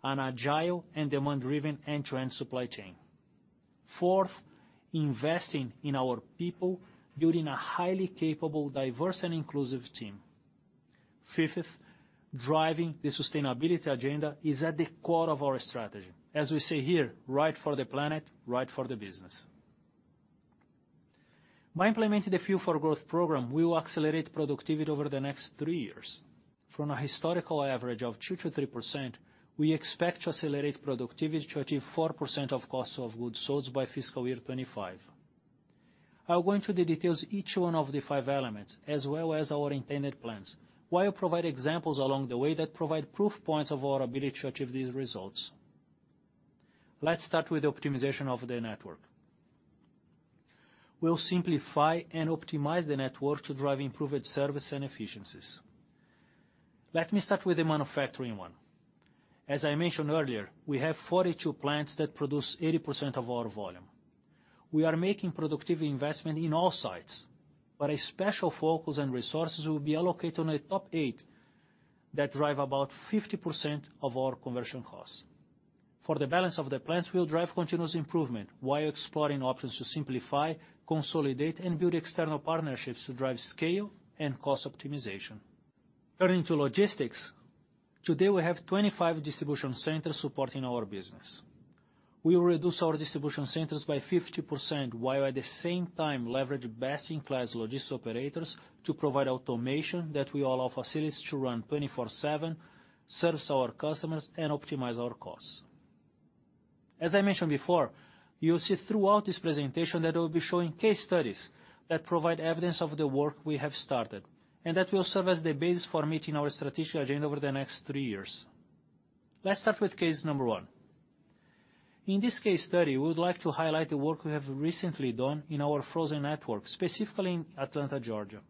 an agile and demand-driven end-to-end supply chain. Fourth, investing in our people, building a highly capable, diverse, and inclusive team. Fifth, driving the sustainability agenda is at the core of our strategy. As we say here, right for the planet, right for the business. By implementing the Fuel for Growth program, we will accelerate productivity over the next three years. From a historical average of 2%-3%, we expect to accelerate productivity to achieve 4% of cost of goods sold by fiscal year 2025. I'll go into the details, each one of the five elements, as well as our intended plans, while provide examples along the way that provide proof points of our ability to achieve these results. Let's start with the optimization of the network. We'll simplify and optimize the network to drive improved service and efficiencies. Let me start with the manufacturing one. As I mentioned earlier, we have 42 plants that produce 80% of our volume. We are making productivity investment in all sites, but a special focus and resources will be allocated on the top 8 that drive about 50% of our conversion costs. For the balance of the plants, we'll drive continuous improvement while exploring options to simplify, consolidate, and build external partnerships to drive scale and cost optimization. Turning to logistics. Today, we have 25 distribution centers supporting our business. We will reduce our distribution centers by 50%, while at the same time leverage best-in-class logistics operators to provide automation that will allow facilities to run 24/7, service our customers, and optimize our costs. As I mentioned before, you'll see throughout this presentation that I will be showing case studies that provide evidence of the work we have started, and that will serve as the base for meeting our strategic agenda over the next three years. Let's start with case number one. In this case study, we would like to highlight the work we have recently done in our frozen network, specifically in Atlanta, Georgia.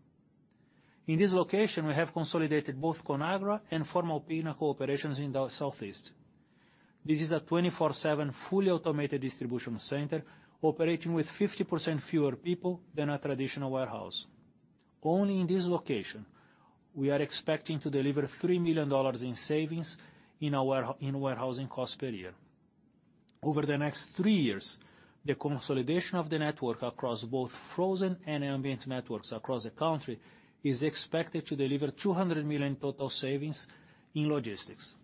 In this location, we have consolidated both Conagra and former Pinnacle operations in the Southeast. This is a 24/7 fully automated distribution center operating with 50% fewer people than a traditional warehouse. Only in this location, we are expecting to deliver $3 million in savings in our warehousing cost per year. Over the next three years, the consolidation of the network across both frozen and ambient networks across the country is expected to deliver $200 million total savings in logistics,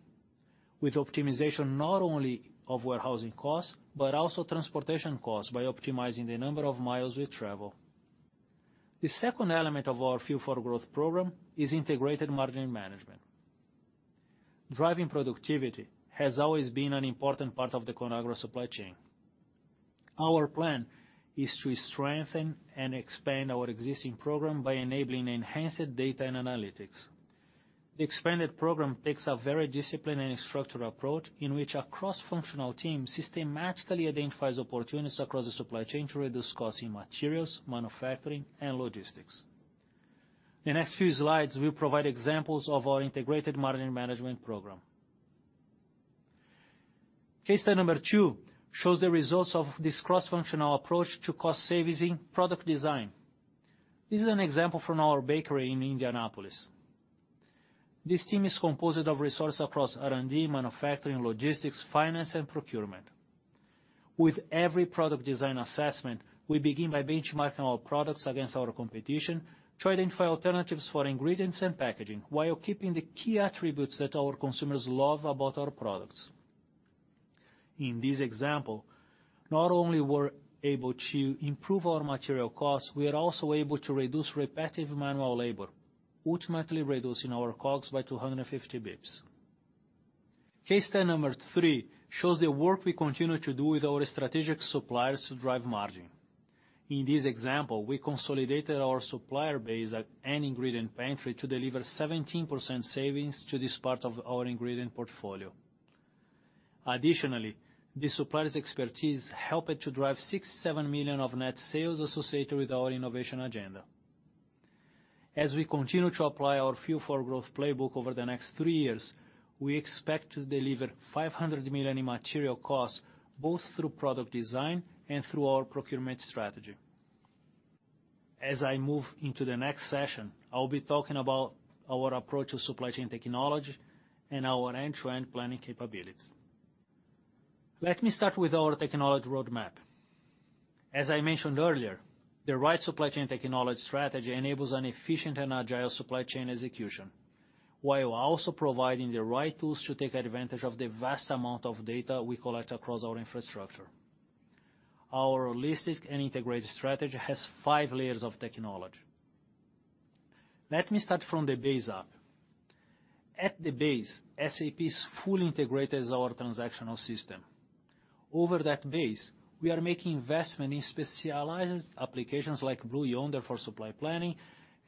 with optimization not only of warehousing costs, but also transportation costs by optimizing the number of miles we travel. The second element of our Fuel for Growth program is integrated margin management. Driving productivity has always been an important part of the Conagra supply chain. Our plan is to strengthen and expand our existing program by enabling enhanced data and analytics. The expanded program takes a very disciplined and structured approach in which a cross-functional team systematically identifies opportunities across the supply chain to reduce costs in materials, manufacturing, and logistics. The next few slides will provide examples of our integrated margin management program. Case study number two shows the results of this cross-functional approach to cost savings in product design. This is an example from our bakery in Indianapolis. This team is composed of resources across R&D, manufacturing, logistics, finance, and procurement. With every product design assessment, we begin by benchmarking our products against our competition to identify alternatives for ingredients and packaging while keeping the key attributes that our consumers love about our products. In this example, not only we're able to improve our material costs, we are also able to reduce repetitive manual labor, ultimately reducing our costs by 250 basis points. Case study number three shows the work we continue to do with our strategic suppliers to drive margin. In this example, we consolidated our supplier base at an ingredient pantry to deliver 17% savings to this part of our ingredient portfolio. Additionally, the supplier's expertise helped to drive $6 million-$7 million of net sales associated with our innovation agenda. As we continue to apply our Fuel for Growth playbook over the next three years, we expect to deliver $500 million in material costs, both through product design and through our procurement strategy. As I move into the next session, I'll be talking about our approach to supply chain technology and our end-to-end planning capabilities. Let me start with our technology roadmap. As I mentioned earlier, the right supply chain technology strategy enables an efficient and agile supply chain execution, while also providing the right tools to take advantage of the vast amount of data we collect across our infrastructure. Our holistic and integrated strategy has five layers of technology. Let me start from the base up. At the base, SAP is fully integrated as our transactional system. Over that base, we are making investment in specialized applications like Blue Yonder for supply planning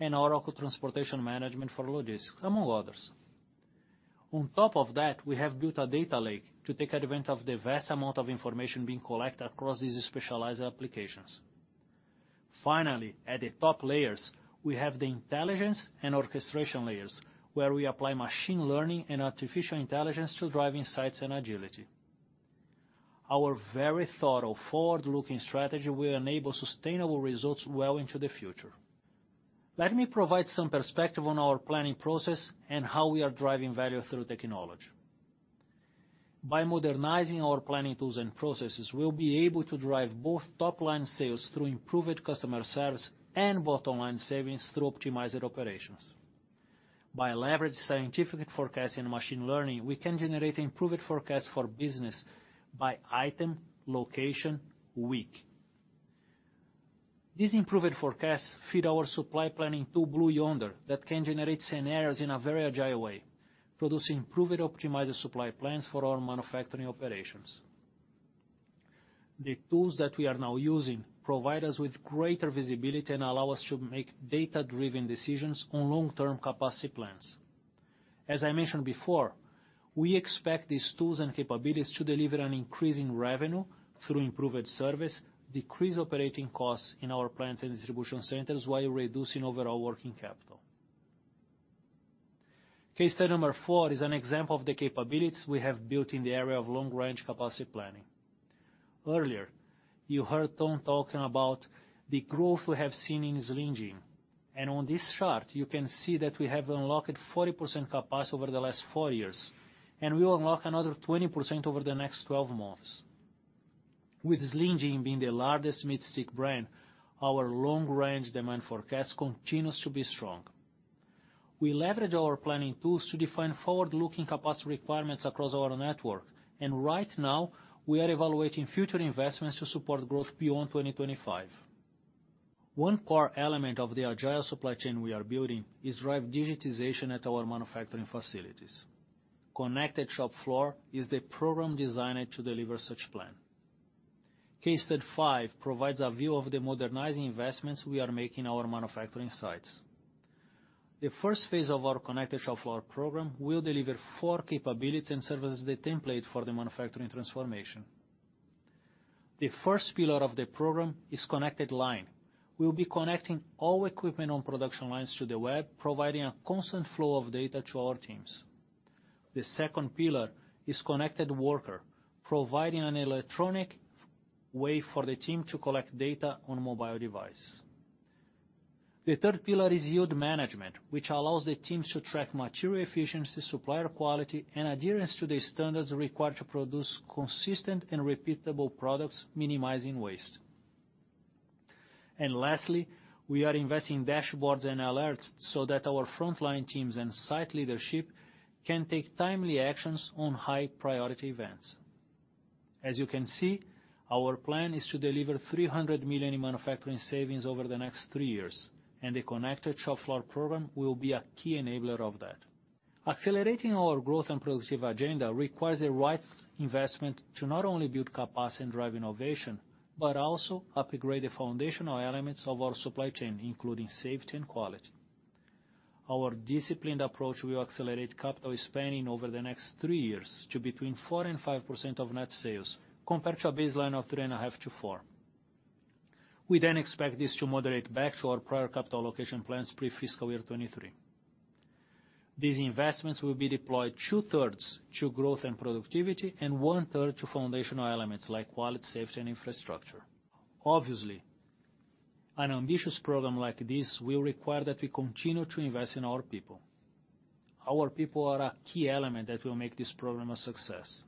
and Oracle Transportation Management for logistics, among others. On top of that, we have built a data lake to take advantage of the vast amount of information being collected across these specialized applications. Finally, at the top layers, we have the intelligence and orchestration layers, where we apply machine learning and artificial intelligence to drive insights and agility. Our very thoughtful forward-looking strategy will enable sustainable results well into the future. Let me provide some perspective on our planning process and how we are driving value through technology. By modernizing our planning tools and processes, we'll be able to drive both top-line sales through improved customer service and bottom-line savings through optimized operations. By leveraging scientific forecasting and machine learning, we can generate improved forecasts for business by item, location, week. These improved forecasts feed our supply planning tool, Blue Yonder, that can generate scenarios in a very agile way, producing improved optimized supply plans for our manufacturing operations. The tools that we are now using provide us with greater visibility and allow us to make data-driven decisions on long-term capacity plans. As I mentioned before, we expect these tools and capabilities to deliver an increase in revenue through improved service, decrease operating costs in our plants and distribution centers while reducing overall working capital. Case study number four is an example of the capabilities we have built in the area of long-range capacity planning. Earlier, you heard Tom talking about the growth we have seen in Slim Jim. On this chart, you can see that we have unlocked 40% capacity over the last 4 years, and we will unlock another 20% over the next 12 months. With Slim Jim being the largest meat stick brand, our long-range demand forecast continues to be strong. We leverage our planning tools to define forward-looking capacity requirements across our network. Right now, we are evaluating future investments to support growth beyond 2025. One core element of the agile supply chain we are building is driving digitization at our manufacturing facilities. Connected Shop Floor is the program designed to deliver such a plan. Case study five provides a view of the modernizing investments we are making in our manufacturing sites. The first phase of our Connected Shop Floor program will deliver four capabilities and serve as the template for the manufacturing transformation. The first pillar of the program is connected line. We'll be connecting all equipment on production lines to the web, providing a constant flow of data to our teams. The second pillar is connected worker, providing an electronic way for the team to collect data on a mobile device. The third pillar is yield management, which allows the teams to track material efficiency, supplier quality, and adherence to the standards required to produce consistent and repeatable products, minimizing waste. Lastly, we are investing in dashboards and alerts so that our frontline teams and site leadership can take timely actions on high-priority events. As you can see, our plan is to deliver $300 million in manufacturing savings over the next three years, and the Connected Shop Floor program will be a key enabler of that. Accelerating our growth and productive agenda requires the right investment to not only build capacity and drive innovation, but also upgrade the foundational elements of our supply chain, including safety and quality. Our disciplined approach will accelerate capital spending over the next 3 years to between 4% and 5% of net sales, compared to a baseline of 3.5%-4%. We then expect this to moderate back to our prior capital allocation plans pre-fiscal year 2023. These investments will be deployed two-thirds to growth and productivity and one-third to foundational elements like quality, safety, and infrastructure. Obviously, an ambitious program like this will require that we continue to invest in our people. Our people are a key element that will make this program a success.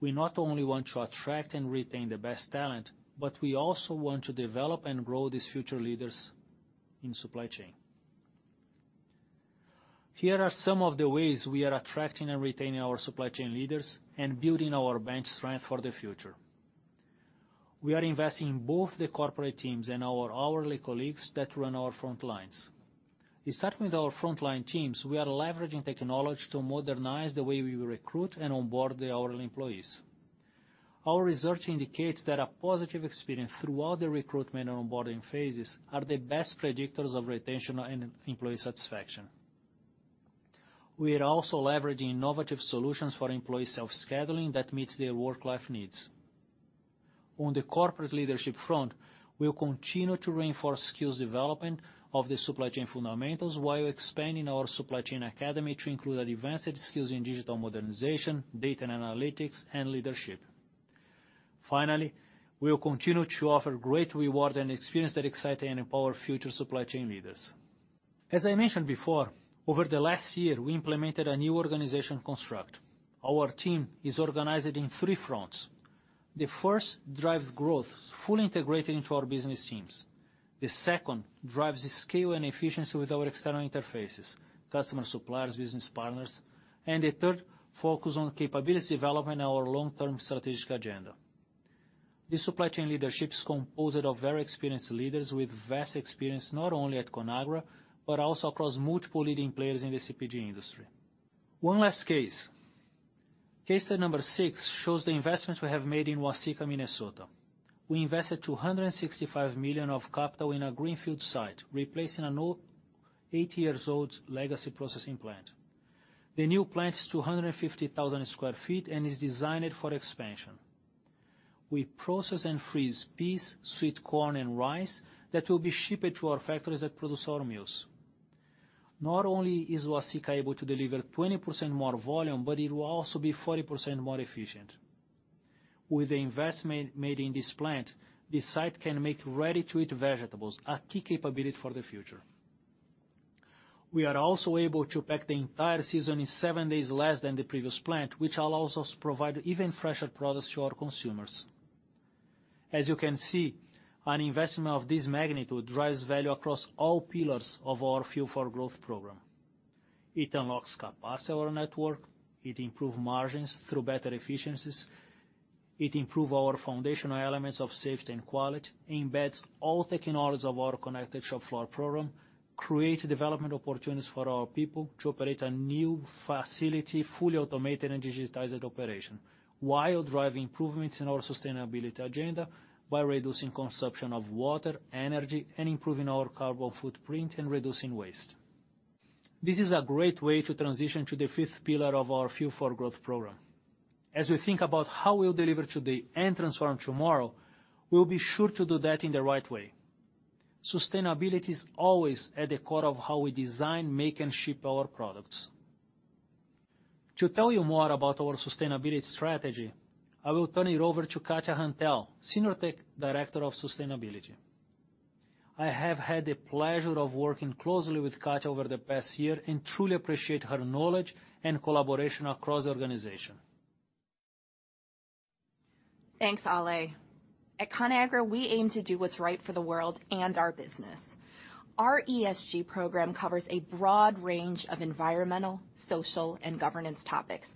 We not only want to attract and retain the best talent, but we also want to develop and grow these future leaders in supply chain. Here are some of the ways we are attracting and retaining our supply chain leaders and building our bench strength for the future. We are investing in both the corporate teams and our hourly colleagues that run our front lines. Starting with our frontline teams, we are leveraging technology to modernize the way we recruit and onboard the hourly employees. Our research indicates that a positive experience throughout the recruitment and onboarding phases are the best predictors of retention and employee satisfaction. We are also leveraging innovative solutions for employee self-scheduling that meets their work-life needs. On the corporate leadership front, we'll continue to reinforce skills development of the supply chain fundamentals while expanding our supply chain academy to include advanced skills in digital modernization, data and analytics, and leadership. Finally, we will continue to offer great reward and experience that excite and empower future supply chain leaders. As I mentioned before, over the last year, we implemented a new organization construct. Our team is organized in three fronts. The first drives growth, fully integrated into our business teams. The second drives the scale and efficiency with our external interfaces, customer suppliers, business partners. The third focus on capability development and our long-term strategic agenda. The supply chain leadership is composed of very experienced leaders with vast experience, not only at Conagra but also across multiple leading players in the CPG industry. One last case. Case study number 6 shows the investments we have made in Waseca, Minnesota. We invested $265 million of capital in a greenfield site, replacing an old 80 years old legacy processing plant. The new plant is 250,000 sq ft and is designed for expansion. We process and freeze peas, sweet corn, and rice that will be shipped to our factories that produce our meals. Not only is Waseca able to deliver 20% more volume, but it will also be 40% more efficient. With the investment made in this plant, this site can make ready-to-eat vegetables, a key capability for the future. We are also able to pack the entire season in 7 days less than the previous plant, which allows us to provide even fresher products to our consumers. As you can see, an investment of this magnitude drives value across all pillars of our Fuel for Growth program. It unlocks capacity of our network, it improves margins through better efficiencies, it improves our foundational elements of safety and quality, embeds all technologies of our Connected Shop Floor program, creates development opportunities for our people to operate a new facility, fully automated and digitized operation, while driving improvements in our sustainability agenda by reducing consumption of water, energy, and improving our carbon footprint and reducing waste. This is a great way to transition to the fifth pillar of our Fuel for Growth program. As we think about how we'll deliver today and transform tomorrow, we'll be sure to do that in the right way. Sustainability is always at the core of how we design, make, and ship our products. To tell you more about our sustainability strategy, I will turn it over to Katya Hantel, Senior Director of Sustainability. I have had the pleasure of working closely with Katya over the past year and truly appreciate her knowledge and collaboration across the organization. Thanks, Ale. At Conagra, we aim to do what's right for the world and our business. Our ESG program covers a broad range of environmental, social, and governance topics.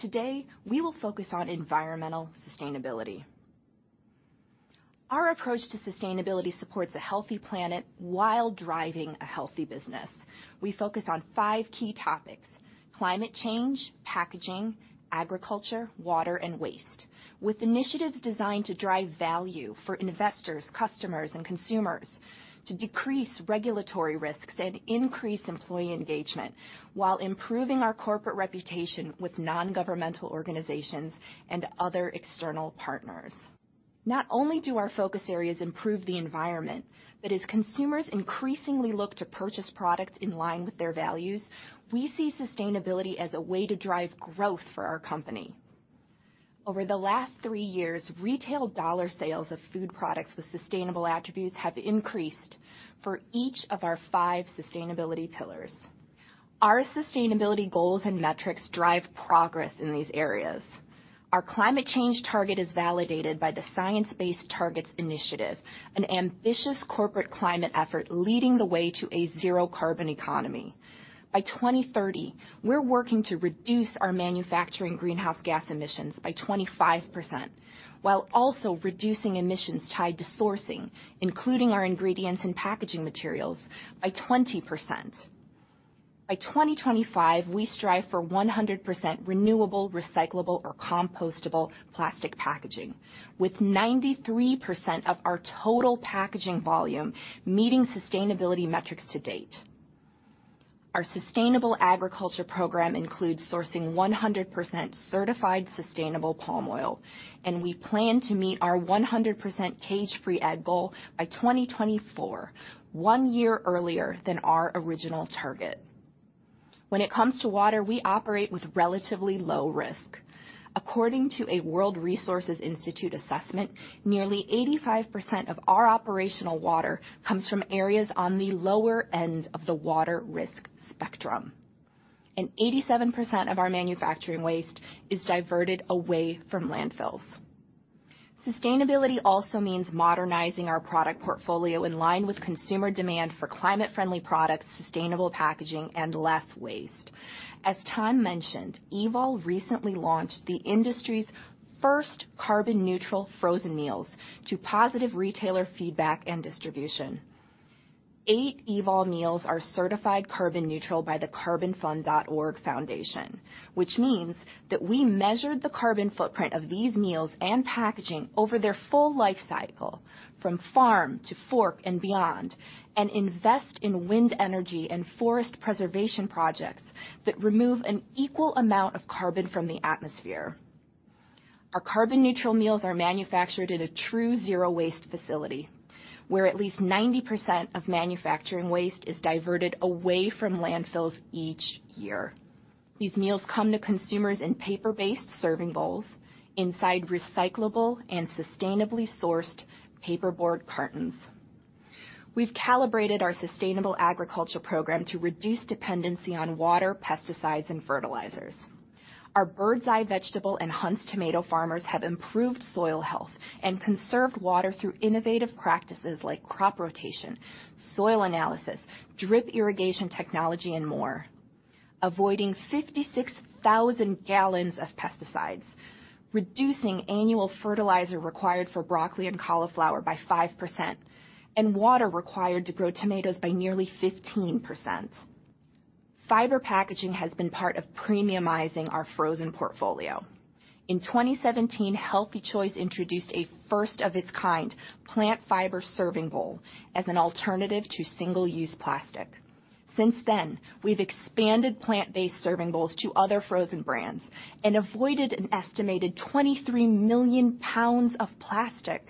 Today, we will focus on environmental sustainability. Our approach to sustainability supports a healthy planet while driving a healthy business. We focus on five key topics, climate change, packaging, agriculture, water, and waste, with initiatives designed to drive value for investors, customers, and consumers to decrease regulatory risks and increase employee engagement while improving our corporate reputation with non-governmental organizations and other external partners. Not only do our focus areas improve the environment, but as consumers increasingly look to purchase products in line with their values, we see sustainability as a way to drive growth for our company. Over the last three years, retail dollar sales of food products with sustainable attributes have increased for each of our five sustainability pillars. Our sustainability goals and metrics drive progress in these areas. Our climate change target is validated by the Science Based Targets initiative, an ambitious corporate climate effort leading the way to a zero carbon economy. By 2030, we're working to reduce our manufacturing greenhouse gas emissions by 25% while also reducing emissions tied to sourcing, including our ingredients and packaging materials by 20%. By 2025, we strive for 100% renewable, recyclable, or compostable plastic packaging, with 93% of our total packaging volume meeting sustainability metrics to date. Our sustainable agriculture program includes sourcing 100% certified sustainable palm oil, and we plan to meet our 100% cage-free egg goal by 2024, one year earlier than our original target. When it comes to water, we operate with relatively low risk. According to a World Resources Institute assessment, nearly 85% of our operational water comes from areas on the lower end of the water risk spectrum, and 87% of our manufacturing waste is diverted away from landfills. Sustainability also means modernizing our product portfolio in line with consumer demand for climate-friendly products, sustainable packaging, and less waste. As Tom mentioned, Evol recently launched the industry's first carbon neutral frozen meals to positive retailer feedback and distribution. Eight Evol meals are certified carbon neutral by the Carbonfund.org Foundation, which means that we measured the carbon footprint of these meals and packaging over their full lifecycle from farm to fork and beyond, and invest in wind energy and forest preservation projects that remove an equal amount of carbon from the atmosphere. Our carbon neutral meals are manufactured in a true zero waste facility, where at least 90% of manufacturing waste is diverted away from landfills each year. These meals come to consumers in paper-based serving bowls inside recyclable and sustainably sourced paperboard cartons. We've calibrated our sustainable agriculture program to reduce dependency on water, pesticides, and fertilizers. Our Birds Eye vegetable and Hunt's tomato farmers have improved soil health and conserved water through innovative practices like crop rotation, soil analysis, drip irrigation technology, and more, avoiding 56,000 gal of pesticides, reducing annual fertilizer required for broccoli and cauliflower by 5%, and water required to grow tomatoes by nearly 15%. Fiber packaging has been part of premiumizing our frozen portfolio. In 2017, Healthy Choice introduced a first of its kind plant fiber serving bowl as an alternative to single-use plastic. Since then, we've expanded plant-based serving bowls to other frozen brands and avoided an estimated 23 million lbs of plastic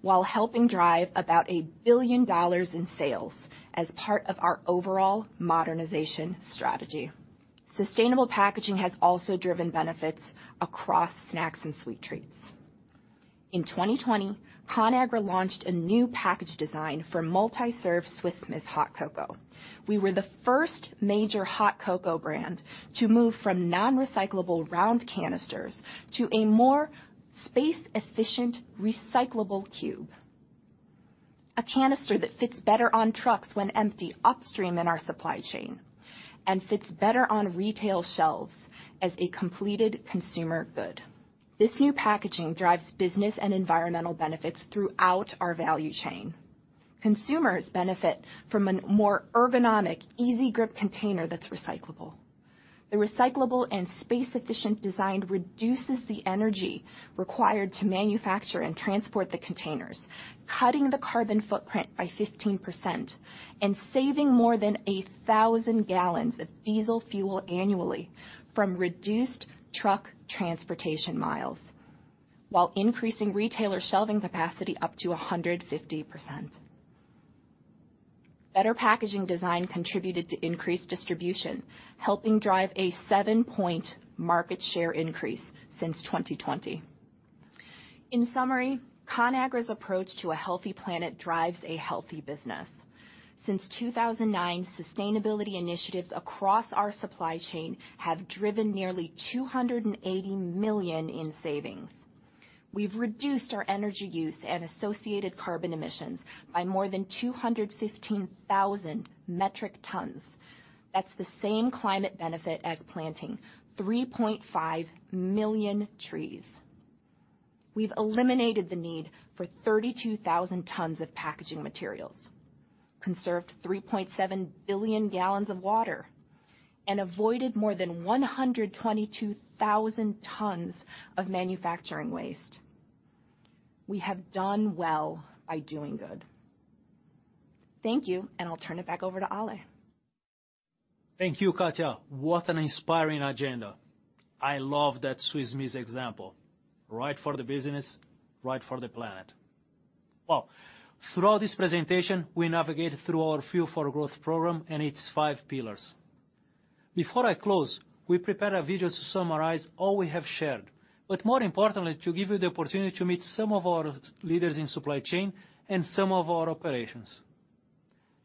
while helping drive about $1 billion in sales as part of our overall modernization strategy. Sustainable packaging has also driven benefits across snacks and sweet treats. In 2020, Conagra launched a new package design for multi-serve Swiss Miss hot cocoa. We were the first major hot cocoa brand to move from non-recyclable round canisters to a more space-efficient recyclable cube, a canister that fits better on trucks when empty upstream in our supply chain and fits better on retail shelves as a completed consumer good. This new packaging drives business and environmental benefits throughout our value chain. Consumers benefit from a more ergonomic, easy-grip container that's recyclable. The recyclable and space-efficient design reduces the energy required to manufacture and transport the containers, cutting the carbon footprint by 15% and saving more than 1,000 gal of diesel fuel annually from reduced truck transportation miles while increasing retailer shelving capacity up to 150%. Better packaging design contributed to increased distribution, helping drive a 7-point market share increase since 2020. In summary, Conagra's approach to a healthy planet drives a healthy business. Since 2009, sustainability initiatives across our supply chain have driven nearly $280 million in savings. We've reduced our energy use and associated carbon emissions by more than 215,000 metric tons. That's the same climate benefit as planting 3.5 million trees. We've eliminated the need for 32,000 tons of packaging materials, conserved 3.7 billion gal of water, and avoided more than 122,000 tons of manufacturing waste. We have done well by doing good. Thank you, and I'll turn it back over to Ale. Thank you, Katya. What an inspiring agenda. I love that Swiss Miss example. Right for the business, right for the planet. Well, throughout this presentation, we navigated through our Fuel for Growth program and its five pillars. Before I close, we prepared a video to summarize all we have shared, but more importantly, to give you the opportunity to meet some of our leaders in supply chain and some of our operations.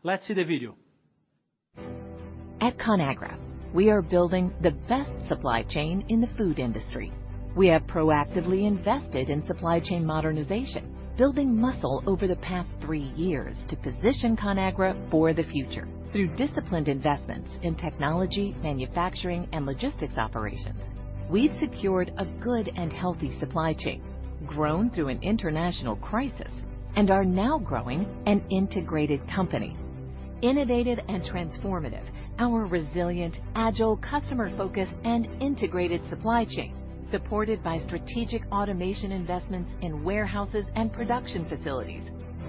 Let's see the video. At Conagra, we are building the best supply chain in the food industry. We have proactively invested in supply chain modernization, building muscle over the past three years to position Conagra for the future. Through disciplined investments in technology, manufacturing, and logistics operations, we've secured a good and healthy supply chain, grown through an international crisis, and are now growing an integrated company. Innovative and transformative, our resilient, agile, customer-focused, and integrated supply chain, supported by strategic automation investments in warehouses and production facilities,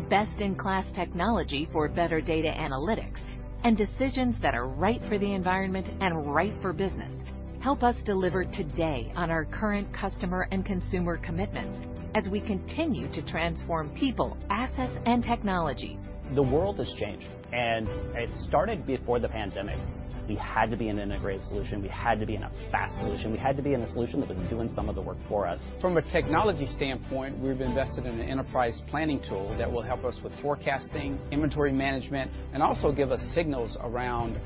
best-in-class technology for better data analytics, and decisions that are right for the environment and right for business, help us deliver today on our current customer and consumer commitments as we continue to transform people, assets, and technology. The world has changed, and it started before the pandemic. We had to be an integrated solution. We had to be in a fast solution. We had to be in a solution that was doing some of the work for us. From a technology standpoint, we've invested in an enterprise planning tool that will help us with forecasting, inventory management, and also give us signals around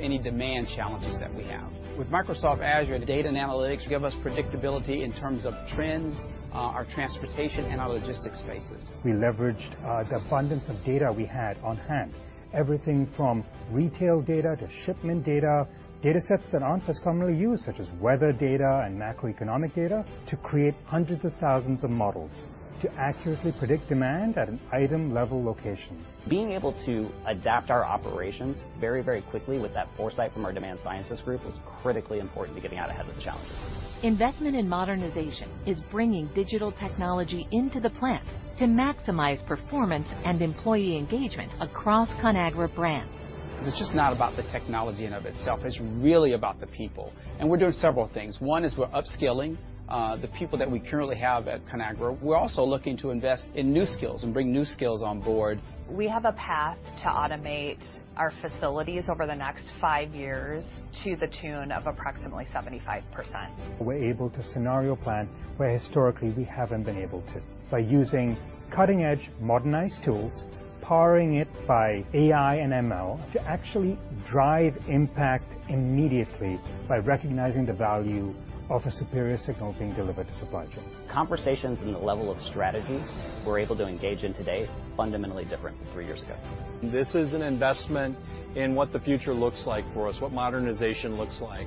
any demand challenges that we have. With Microsoft Azure, the data and analytics give us predictability in terms of trends, our transportation, and our logistics spaces. We leveraged the abundance of data we had on hand, everything from retail data to shipment data, datasets that aren't as commonly used, such as weather data and macroeconomic data to create hundreds of thousands of models to accurately predict demand at an item-level location. Being able to adapt our operations very, very quickly with that foresight from our demand sciences group was critically important to getting out ahead of the challenges. Investment in modernization is bringing digital technology into the plant to maximize performance and employee engagement across Conagra Brands. It's just not about the technology in and of itself, it's really about the people. We're doing several things. One is we're upskilling the people that we currently have at Conagra. We're also looking to invest in new skills and bring new skills on board. We have a path to automate our facilities over the next 5 years to the tune of approximately 75%. We're able to scenario plan where historically we haven't been able to by using cutting-edge modernized tools, powering it by AI and ML to actually drive impact immediately by recognizing the value of a superior signal being delivered to supply chain. Conversations in the level of strategy we're able to engage in today, fundamentally different than three years ago. This is an investment in what the future looks like for us, what modernization looks like.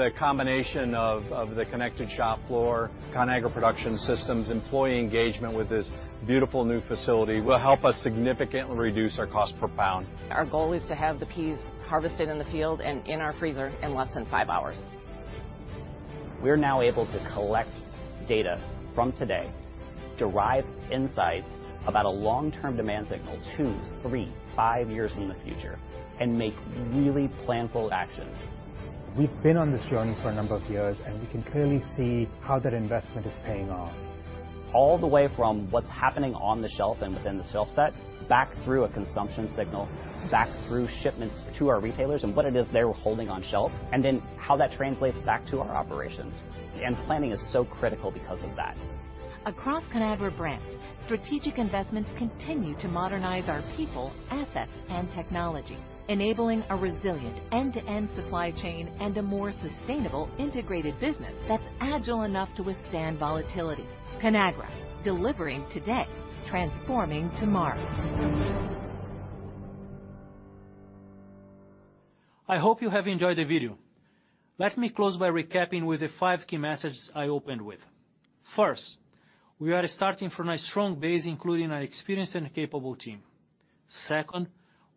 The combination of the Connected Shop Floor, Conagra Production System, employee engagement with this beautiful new facility will help us significantly reduce our cost per pound. Our goal is to have the peas harvested in the field and in our freezer in less than 5 hours. We're now able to collect data from today, derive insights about a long-term demand signal two, three, five years in the future, and make really planful actions. We've been on this journey for a number of years, and we can clearly see how that investment is paying off. All the way from what's happening on the shelf and within the shelf set, back through a consumption signal, back through shipments to our retailers and what it is they're holding on shelf, and then how that translates back to our operations. Planning is so critical because of that. Across Conagra Brands, strategic investments continue to modernize our people, assets, and technology, enabling a resilient end-to-end supply chain and a more sustainable integrated business that's agile enough to withstand volatility. Conagra, delivering today, transforming tomorrow. I hope you have enjoyed the video. Let me close by recapping with the five key messages I opened with. First, we are starting from a strong base, including an experienced and capable team. Second,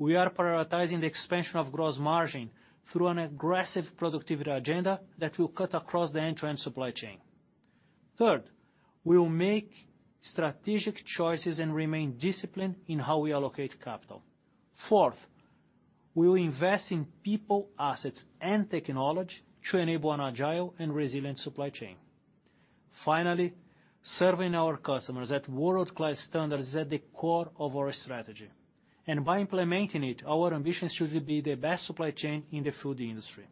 we are prioritizing the expansion of gross margin through an aggressive productivity agenda that will cut across the end-to-end supply chain. Third, we will make strategic choices and remain disciplined in how we allocate capital. Fourth, we will invest in people, assets, and technology to enable an agile and resilient supply chain. Finally, serving our customers at world-class standards is at the core of our strategy. By implementing it, our ambition is to be the best supply chain in the food industry.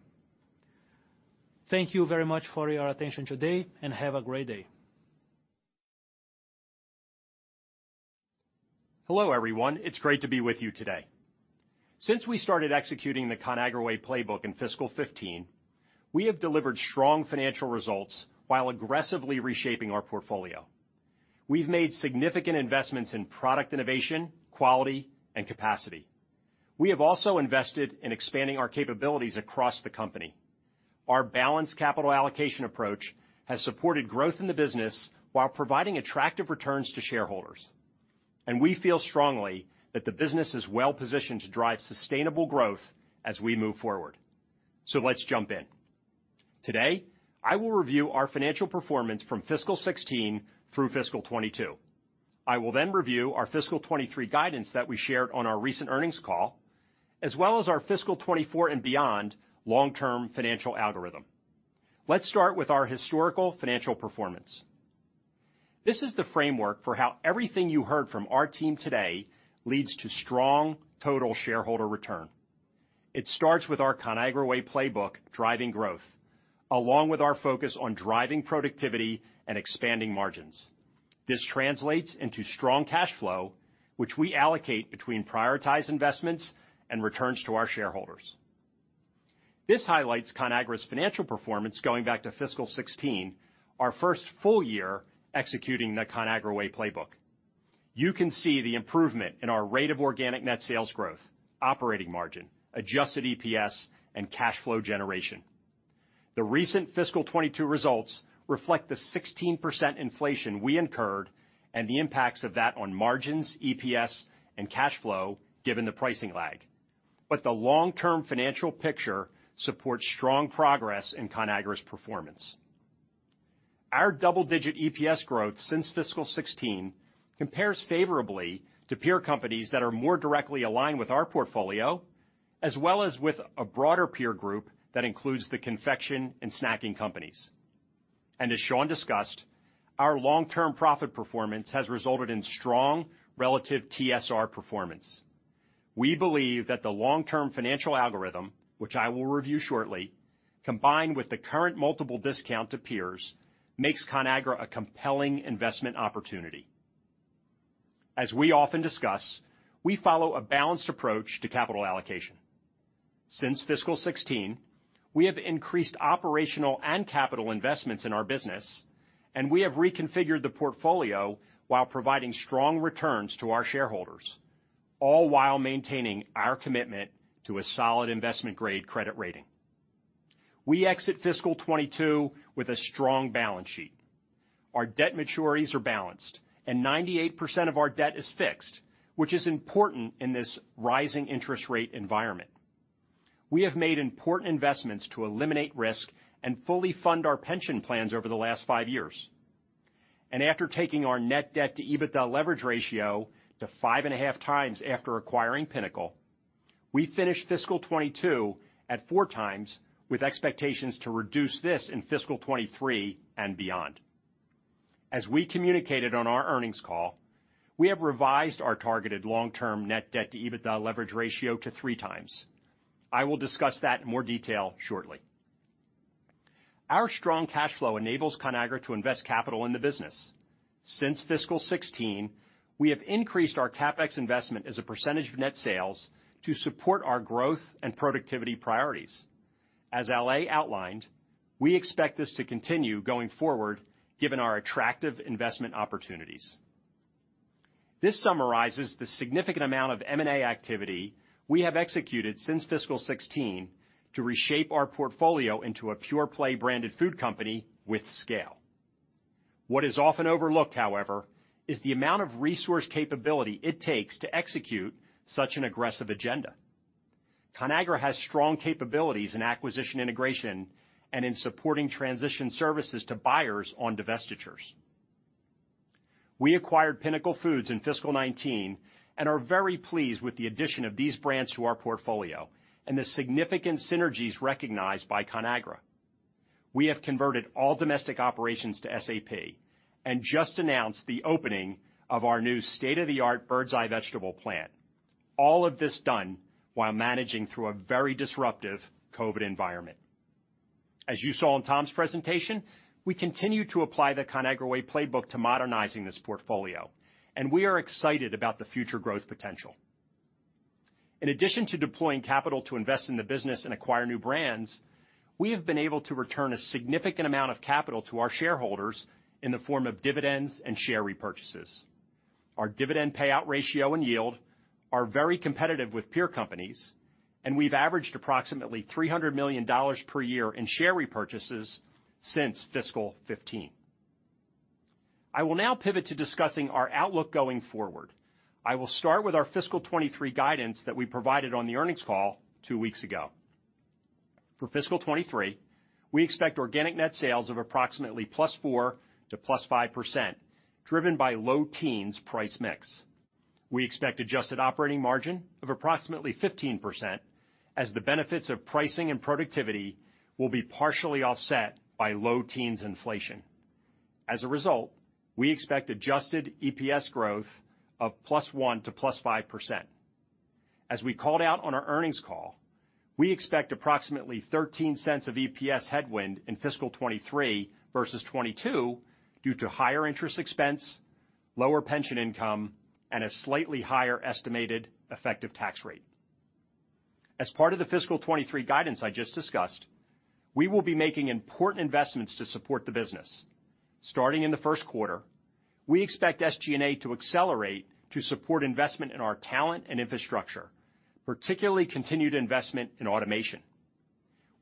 Thank you very much for your attention today, and have a great day. Hello, everyone. It's great to be with you today. Since we started executing the Conagra Way playbook in fiscal 2015, we have delivered strong financial results while aggressively reshaping our portfolio. We've made significant investments in product innovation, quality, and capacity. We have also invested in expanding our capabilities across the company. Our balanced capital allocation approach has supported growth in the business while providing attractive returns to shareholders. We feel strongly that the business is well-positioned to drive sustainable growth as we move forward. Let's jump in. Today, I will review our financial performance from fiscal 2016 through fiscal 2022. I will then review our fiscal 2023 guidance that we shared on our recent earnings call, as well as our fiscal 2024 and beyond long-term financial algorithm. Let's start with our historical financial performance. This is the framework for how everything you heard from our team today leads to strong total shareholder return. It starts with our Conagra Way playbook driving growth, along with our focus on driving productivity and expanding margins. This translates into strong cash flow, which we allocate between prioritized investments and returns to our shareholders. This highlights Conagra's financial performance going back to fiscal 2016, our first full year executing the Conagra Way playbook. You can see the improvement in our rate of organic net sales growth, operating margin, adjusted EPS, and cash flow generation. The recent fiscal 2022 results reflect the 16% inflation we incurred and the impacts of that on margins, EPS, and cash flow, given the pricing lag. The long-term financial picture supports strong progress in Conagra's performance. Our double-digit EPS growth since fiscal 2016 compares favorably to peer companies that are more directly aligned with our portfolio, as well as with a broader peer group that includes the confection and snacking companies. As Sean discussed, our long-term profit performance has resulted in strong relative TSR performance. We believe that the long-term financial algorithm, which I will review shortly, combined with the current multiple discount to peers, makes Conagra a compelling investment opportunity. As we often discuss, we follow a balanced approach to capital allocation. Since fiscal 2016, we have increased operational and capital investments in our business, and we have reconfigured the portfolio while providing strong returns to our shareholders, all while maintaining our commitment to a solid investment-grade credit rating. We exit fiscal 2022 with a strong balance sheet. Our debt maturities are balanced, and 98% of our debt is fixed, which is important in this rising interest rate environment. We have made important investments to eliminate risk and fully fund our pension plans over the last 5 years. After taking our net debt to EBITDA leverage ratio to 5.5x after acquiring Pinnacle, we finished fiscal 2022 at 4x with expectations to reduce this in fiscal 2023 and beyond. As we communicated on our earnings call, we have revised our targeted long-term net debt to EBITDA leverage ratio to 3x. I will discuss that in more detail shortly. Our strong cash flow enables Conagra to invest capital in the business. Since fiscal 2016, we have increased our CapEx investment as a percentage of net sales to support our growth and productivity priorities. As Ale outlined, we expect this to continue going forward given our attractive investment opportunities. This summarizes the significant amount of M&A activity we have executed since fiscal 2016 to reshape our portfolio into a pure-play branded food company with scale. What is often overlooked, however, is the amount of resource capability it takes to execute such an aggressive agenda. Conagra has strong capabilities in acquisition integration and in supporting transition services to buyers on divestitures. We acquired Pinnacle Foods in fiscal 2019 and are very pleased with the addition of these brands to our portfolio and the significant synergies recognized by Conagra. We have converted all domestic operations to SAP and just announced the opening of our new state-of-the-art Birds Eye Vegetable plant. All of this done while managing through a very disruptive COVID environment. As you saw in Tom's presentation, we continue to apply the Conagra Way playbook to modernizing this portfolio, and we are excited about the future growth potential. In addition to deploying capital to invest in the business and acquire new brands, we have been able to return a significant amount of capital to our shareholders in the form of dividends and share repurchases. Our dividend payout ratio and yield are very competitive with peer companies, and we've averaged approximately $300 million per year in share repurchases since fiscal 2015. I will now pivot to discussing our outlook going forward. I will start with our fiscal 2023 guidance that we provided on the earnings call two weeks ago. For fiscal 2023, we expect organic net sales of approximately +4% to +5%, driven by low-teens price mix. We expect adjusted operating margin of approximately 15% as the benefits of pricing and productivity will be partially offset by low teens inflation. As a result, we expect adjusted EPS growth of +1% to +5%. As we called out on our earnings call, we expect approximately $0.13 of EPS headwind in fiscal 2023 versus 2022 due to higher interest expense, lower pension income, and a slightly higher estimated effective tax rate. As part of the fiscal 2023 guidance I just discussed, we will be making important investments to support the business. Starting in the first quarter, we expect SG&A to accelerate to support investment in our talent and infrastructure, particularly continued investment in automation.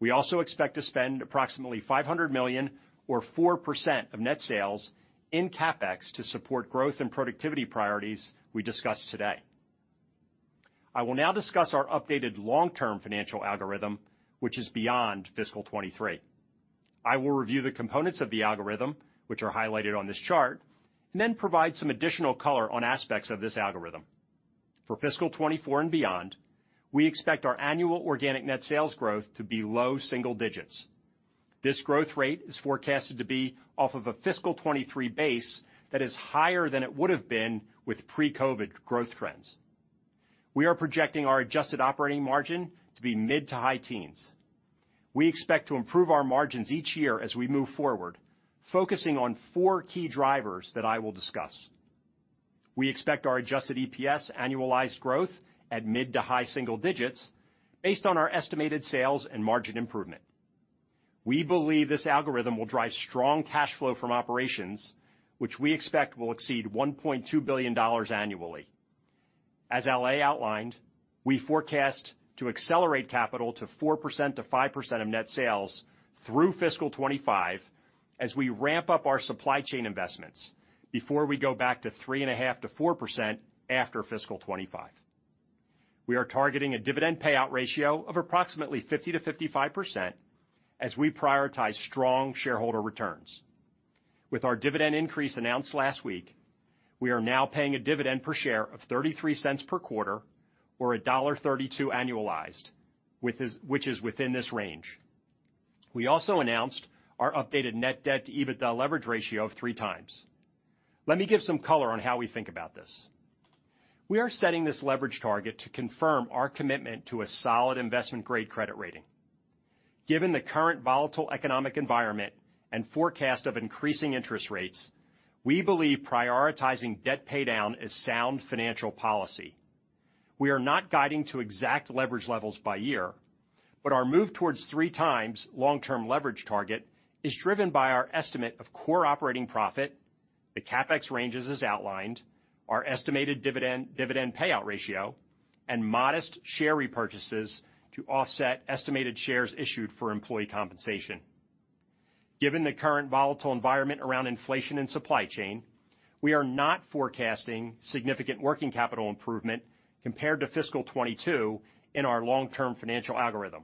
We also expect to spend approximately $500 million or 4% of net sales in CapEx to support growth and productivity priorities we discussed today. I will now discuss our updated long-term financial algorithm, which is beyond fiscal 2023. I will review the components of the algorithm, which are highlighted on this chart, and then provide some additional color on aspects of this algorithm. For fiscal 2024 and beyond, we expect our annual organic net sales growth to be low single digits. This growth rate is forecasted to be off of a fiscal 2023 base that is higher than it would have been with pre-COVID growth trends. We are projecting our adjusted operating margin to be mid to high teens. We expect to improve our margins each year as we move forward, focusing on four key drivers that I will discuss. We expect our adjusted EPS annualized growth at mid to high single digits based on our estimated sales and margin improvement. We believe this algorithm will drive strong cash flow from operations, which we expect will exceed $1.2 billion annually. As LA outlined, we forecast to accelerate capital to 4%-5% of net sales through fiscal 2025 as we ramp up our supply chain investments before we go back to 3.5%-4% after fiscal 2025. We are targeting a dividend payout ratio of approximately 50%-55% as we prioritize strong shareholder returns. With our dividend increase announced last week, we are now paying a dividend per share of $0.33 per quarter or $1.32 annualized, which is within this range. We also announced our updated net debt to EBITDA leverage ratio of 3x. Let me give some color on how we think about this. We are setting this leverage target to confirm our commitment to a solid investment-grade credit rating. Given the current volatile economic environment and forecast of increasing interest rates, we believe prioritizing debt paydown is sound financial policy. We are not guiding to exact leverage levels by year, but our move towards 3x long-term leverage target is driven by our estimate of core operating profit, the CapEx ranges as outlined, our estimated dividend payout ratio, and modest share repurchases to offset estimated shares issued for employee compensation. Given the current volatile environment around inflation and supply chain, we are not forecasting significant working capital improvement compared to fiscal 2022 in our long-term financial algorithm.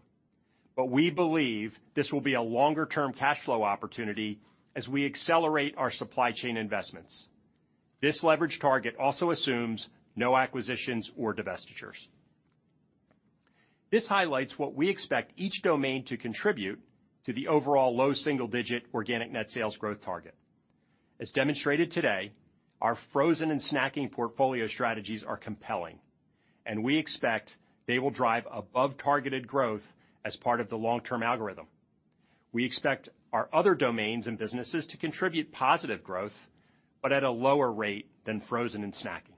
We believe this will be a longer-term cash flow opportunity as we accelerate our supply chain investments. This leverage target also assumes no acquisitions or divestitures. This highlights what we expect each domain to contribute to the overall low single-digit organic net sales growth target. As demonstrated today, our frozen and snacking portfolio strategies are compelling, and we expect they will drive above targeted growth as part of the long-term algorithm. We expect our other domains and businesses to contribute positive growth, but at a lower rate than frozen and snacking.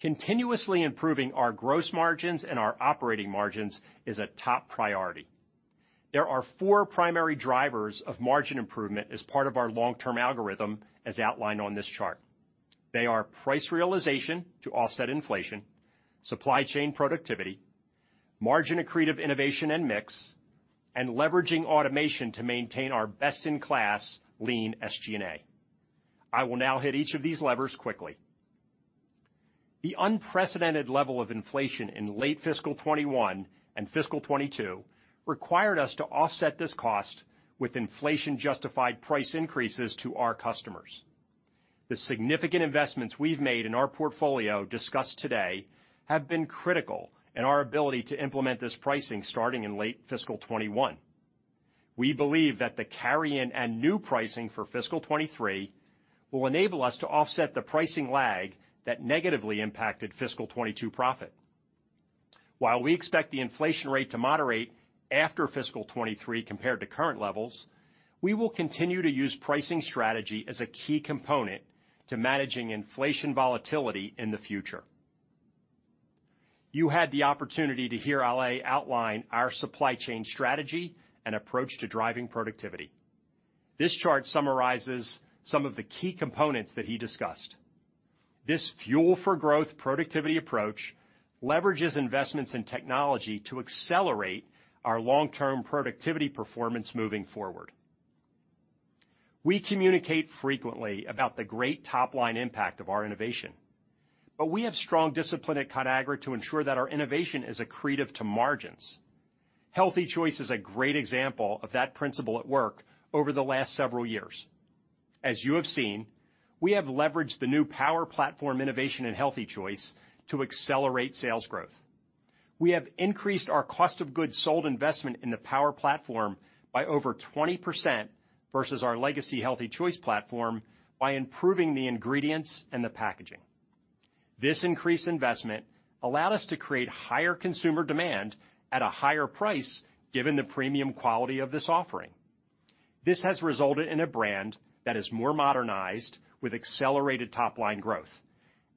Continuously improving our gross margins and our operating margins is a top priority. There are four primary drivers of margin improvement as part of our long-term algorithm as outlined on this chart. They are price realization to offset inflation, supply chain productivity, margin accretive innovation and mix, and leveraging automation to maintain our best-in-class lean SG&A. I will now hit each of these levers quickly. The unprecedented level of inflation in late fiscal 2021 and fiscal 2022 required us to offset this cost with inflation-justified price increases to our customers. The significant investments we've made in our portfolio discussed today have been critical in our ability to implement this pricing starting in late fiscal 2021. We believe that the carry-in and new pricing for fiscal 2023 will enable us to offset the pricing lag that negatively impacted fiscal 2022 profit. While we expect the inflation rate to moderate after fiscal 2023 compared to current levels, we will continue to use pricing strategy as a key component to managing inflation volatility in the future. You had the opportunity to hear Ale outline our supply chain strategy and approach to driving productivity. This chart summarizes some of the key components that he discussed. This Fuel for Growth productivity approach leverages investments in technology to accelerate our long-term productivity performance moving forward. We communicate frequently about the great top-line impact of our innovation, but we have strong discipline at Conagra to ensure that our innovation is accretive to margins. Healthy Choice is a great example of that principle at work over the last several years. As you have seen, we have leveraged the new Power Platform innovation in Healthy Choice to accelerate sales growth. We have increased our cost of goods sold investment in the Power Platform by over 20% versus our legacy Healthy Choice platform by improving the ingredients and the packaging. This increased investment allowed us to create higher consumer demand at a higher price given the premium quality of this offering. This has resulted in a brand that is more modernized with accelerated top-line growth.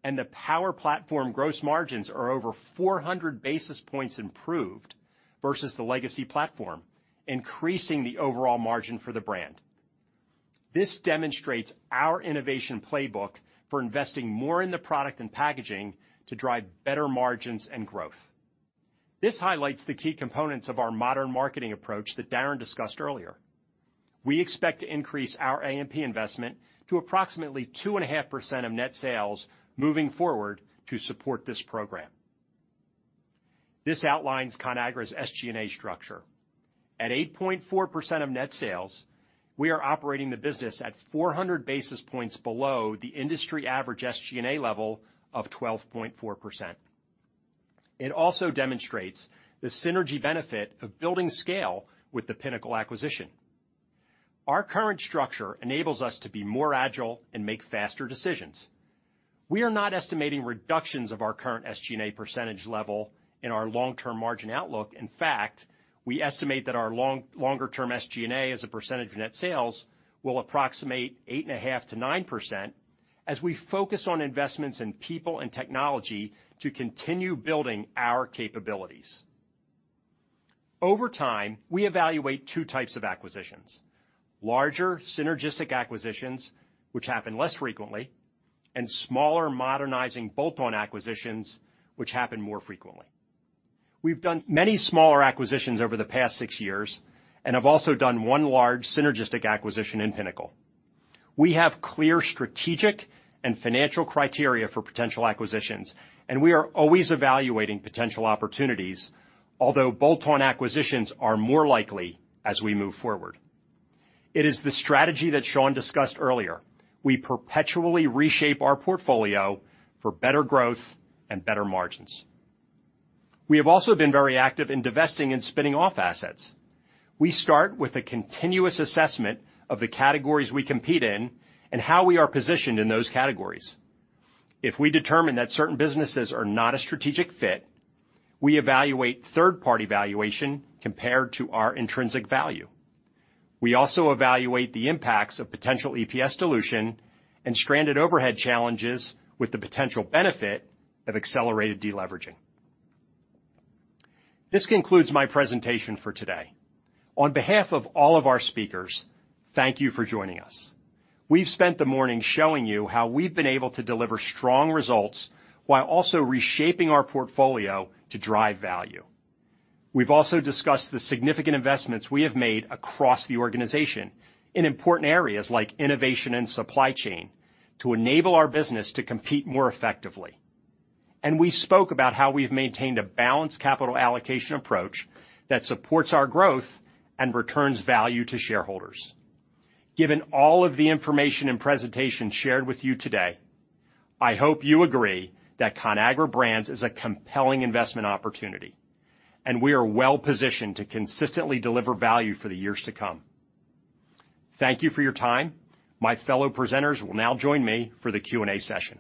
The Power Platform gross margins are over 400 basis points improved versus the legacy platform, increasing the overall margin for the brand. This demonstrates our innovation playbook for investing more in the product and packaging to drive better margins and growth. This highlights the key components of our modern marketing approach that Darren discussed earlier. We expect to increase our A&P investment to approximately 2.5% of net sales moving forward to support this program. This outlines Conagra's SG&A structure. At 8.4% of net sales, we are operating the business at 400 basis points below the industry average SG&A level of 12.4%. It also demonstrates the synergy benefit of building scale with the Pinnacle acquisition. Our current structure enables us to be more agile and make faster decisions. We are not estimating reductions of our current SG&A percentage level in our long-term margin outlook. In fact, we estimate that our longer term SG&A as a percentage of net sales will approximate 8.5%-9% as we focus on investments in people and technology to continue building our capabilities. Over time, we evaluate two types of acquisitions, larger, synergistic acquisitions, which happen less frequently, and smaller, modernizing bolt-on acquisitions, which happen more frequently. We've done many smaller acquisitions over the past six years and have also done one large synergistic acquisition in Pinnacle. We have clear strategic and financial criteria for potential acquisitions, and we are always evaluating potential opportunities, although bolt-on acquisitions are more likely as we move forward. It is the strategy that Sean discussed earlier. We perpetually reshape our portfolio for better growth and better margins. We have also been very active in divesting and spinning off assets. We start with a continuous assessment of the categories we compete in and how we are positioned in those categories. If we determine that certain businesses are not a strategic fit, we evaluate third-party valuation compared to our intrinsic value. We also evaluate the impacts of potential EPS dilution and stranded overhead challenges with the potential benefit of accelerated deleveraging. This concludes my presentation for today. On behalf of all of our speakers, thank you for joining us. We've spent the morning showing you how we've been able to deliver strong results while also reshaping our portfolio to drive value. We've also discussed the significant investments we have made across the organization in important areas like innovation and supply chain to enable our business to compete more effectively. We spoke about how we've maintained a balanced capital allocation approach that supports our growth and returns value to shareholders. Given all of the information and presentation shared with you today, I hope you agree that Conagra Brands is a compelling investment opportunity, and we are well positioned to consistently deliver value for the years to come. Thank you for your time. My fellow presenters will now join me for the Q&A session.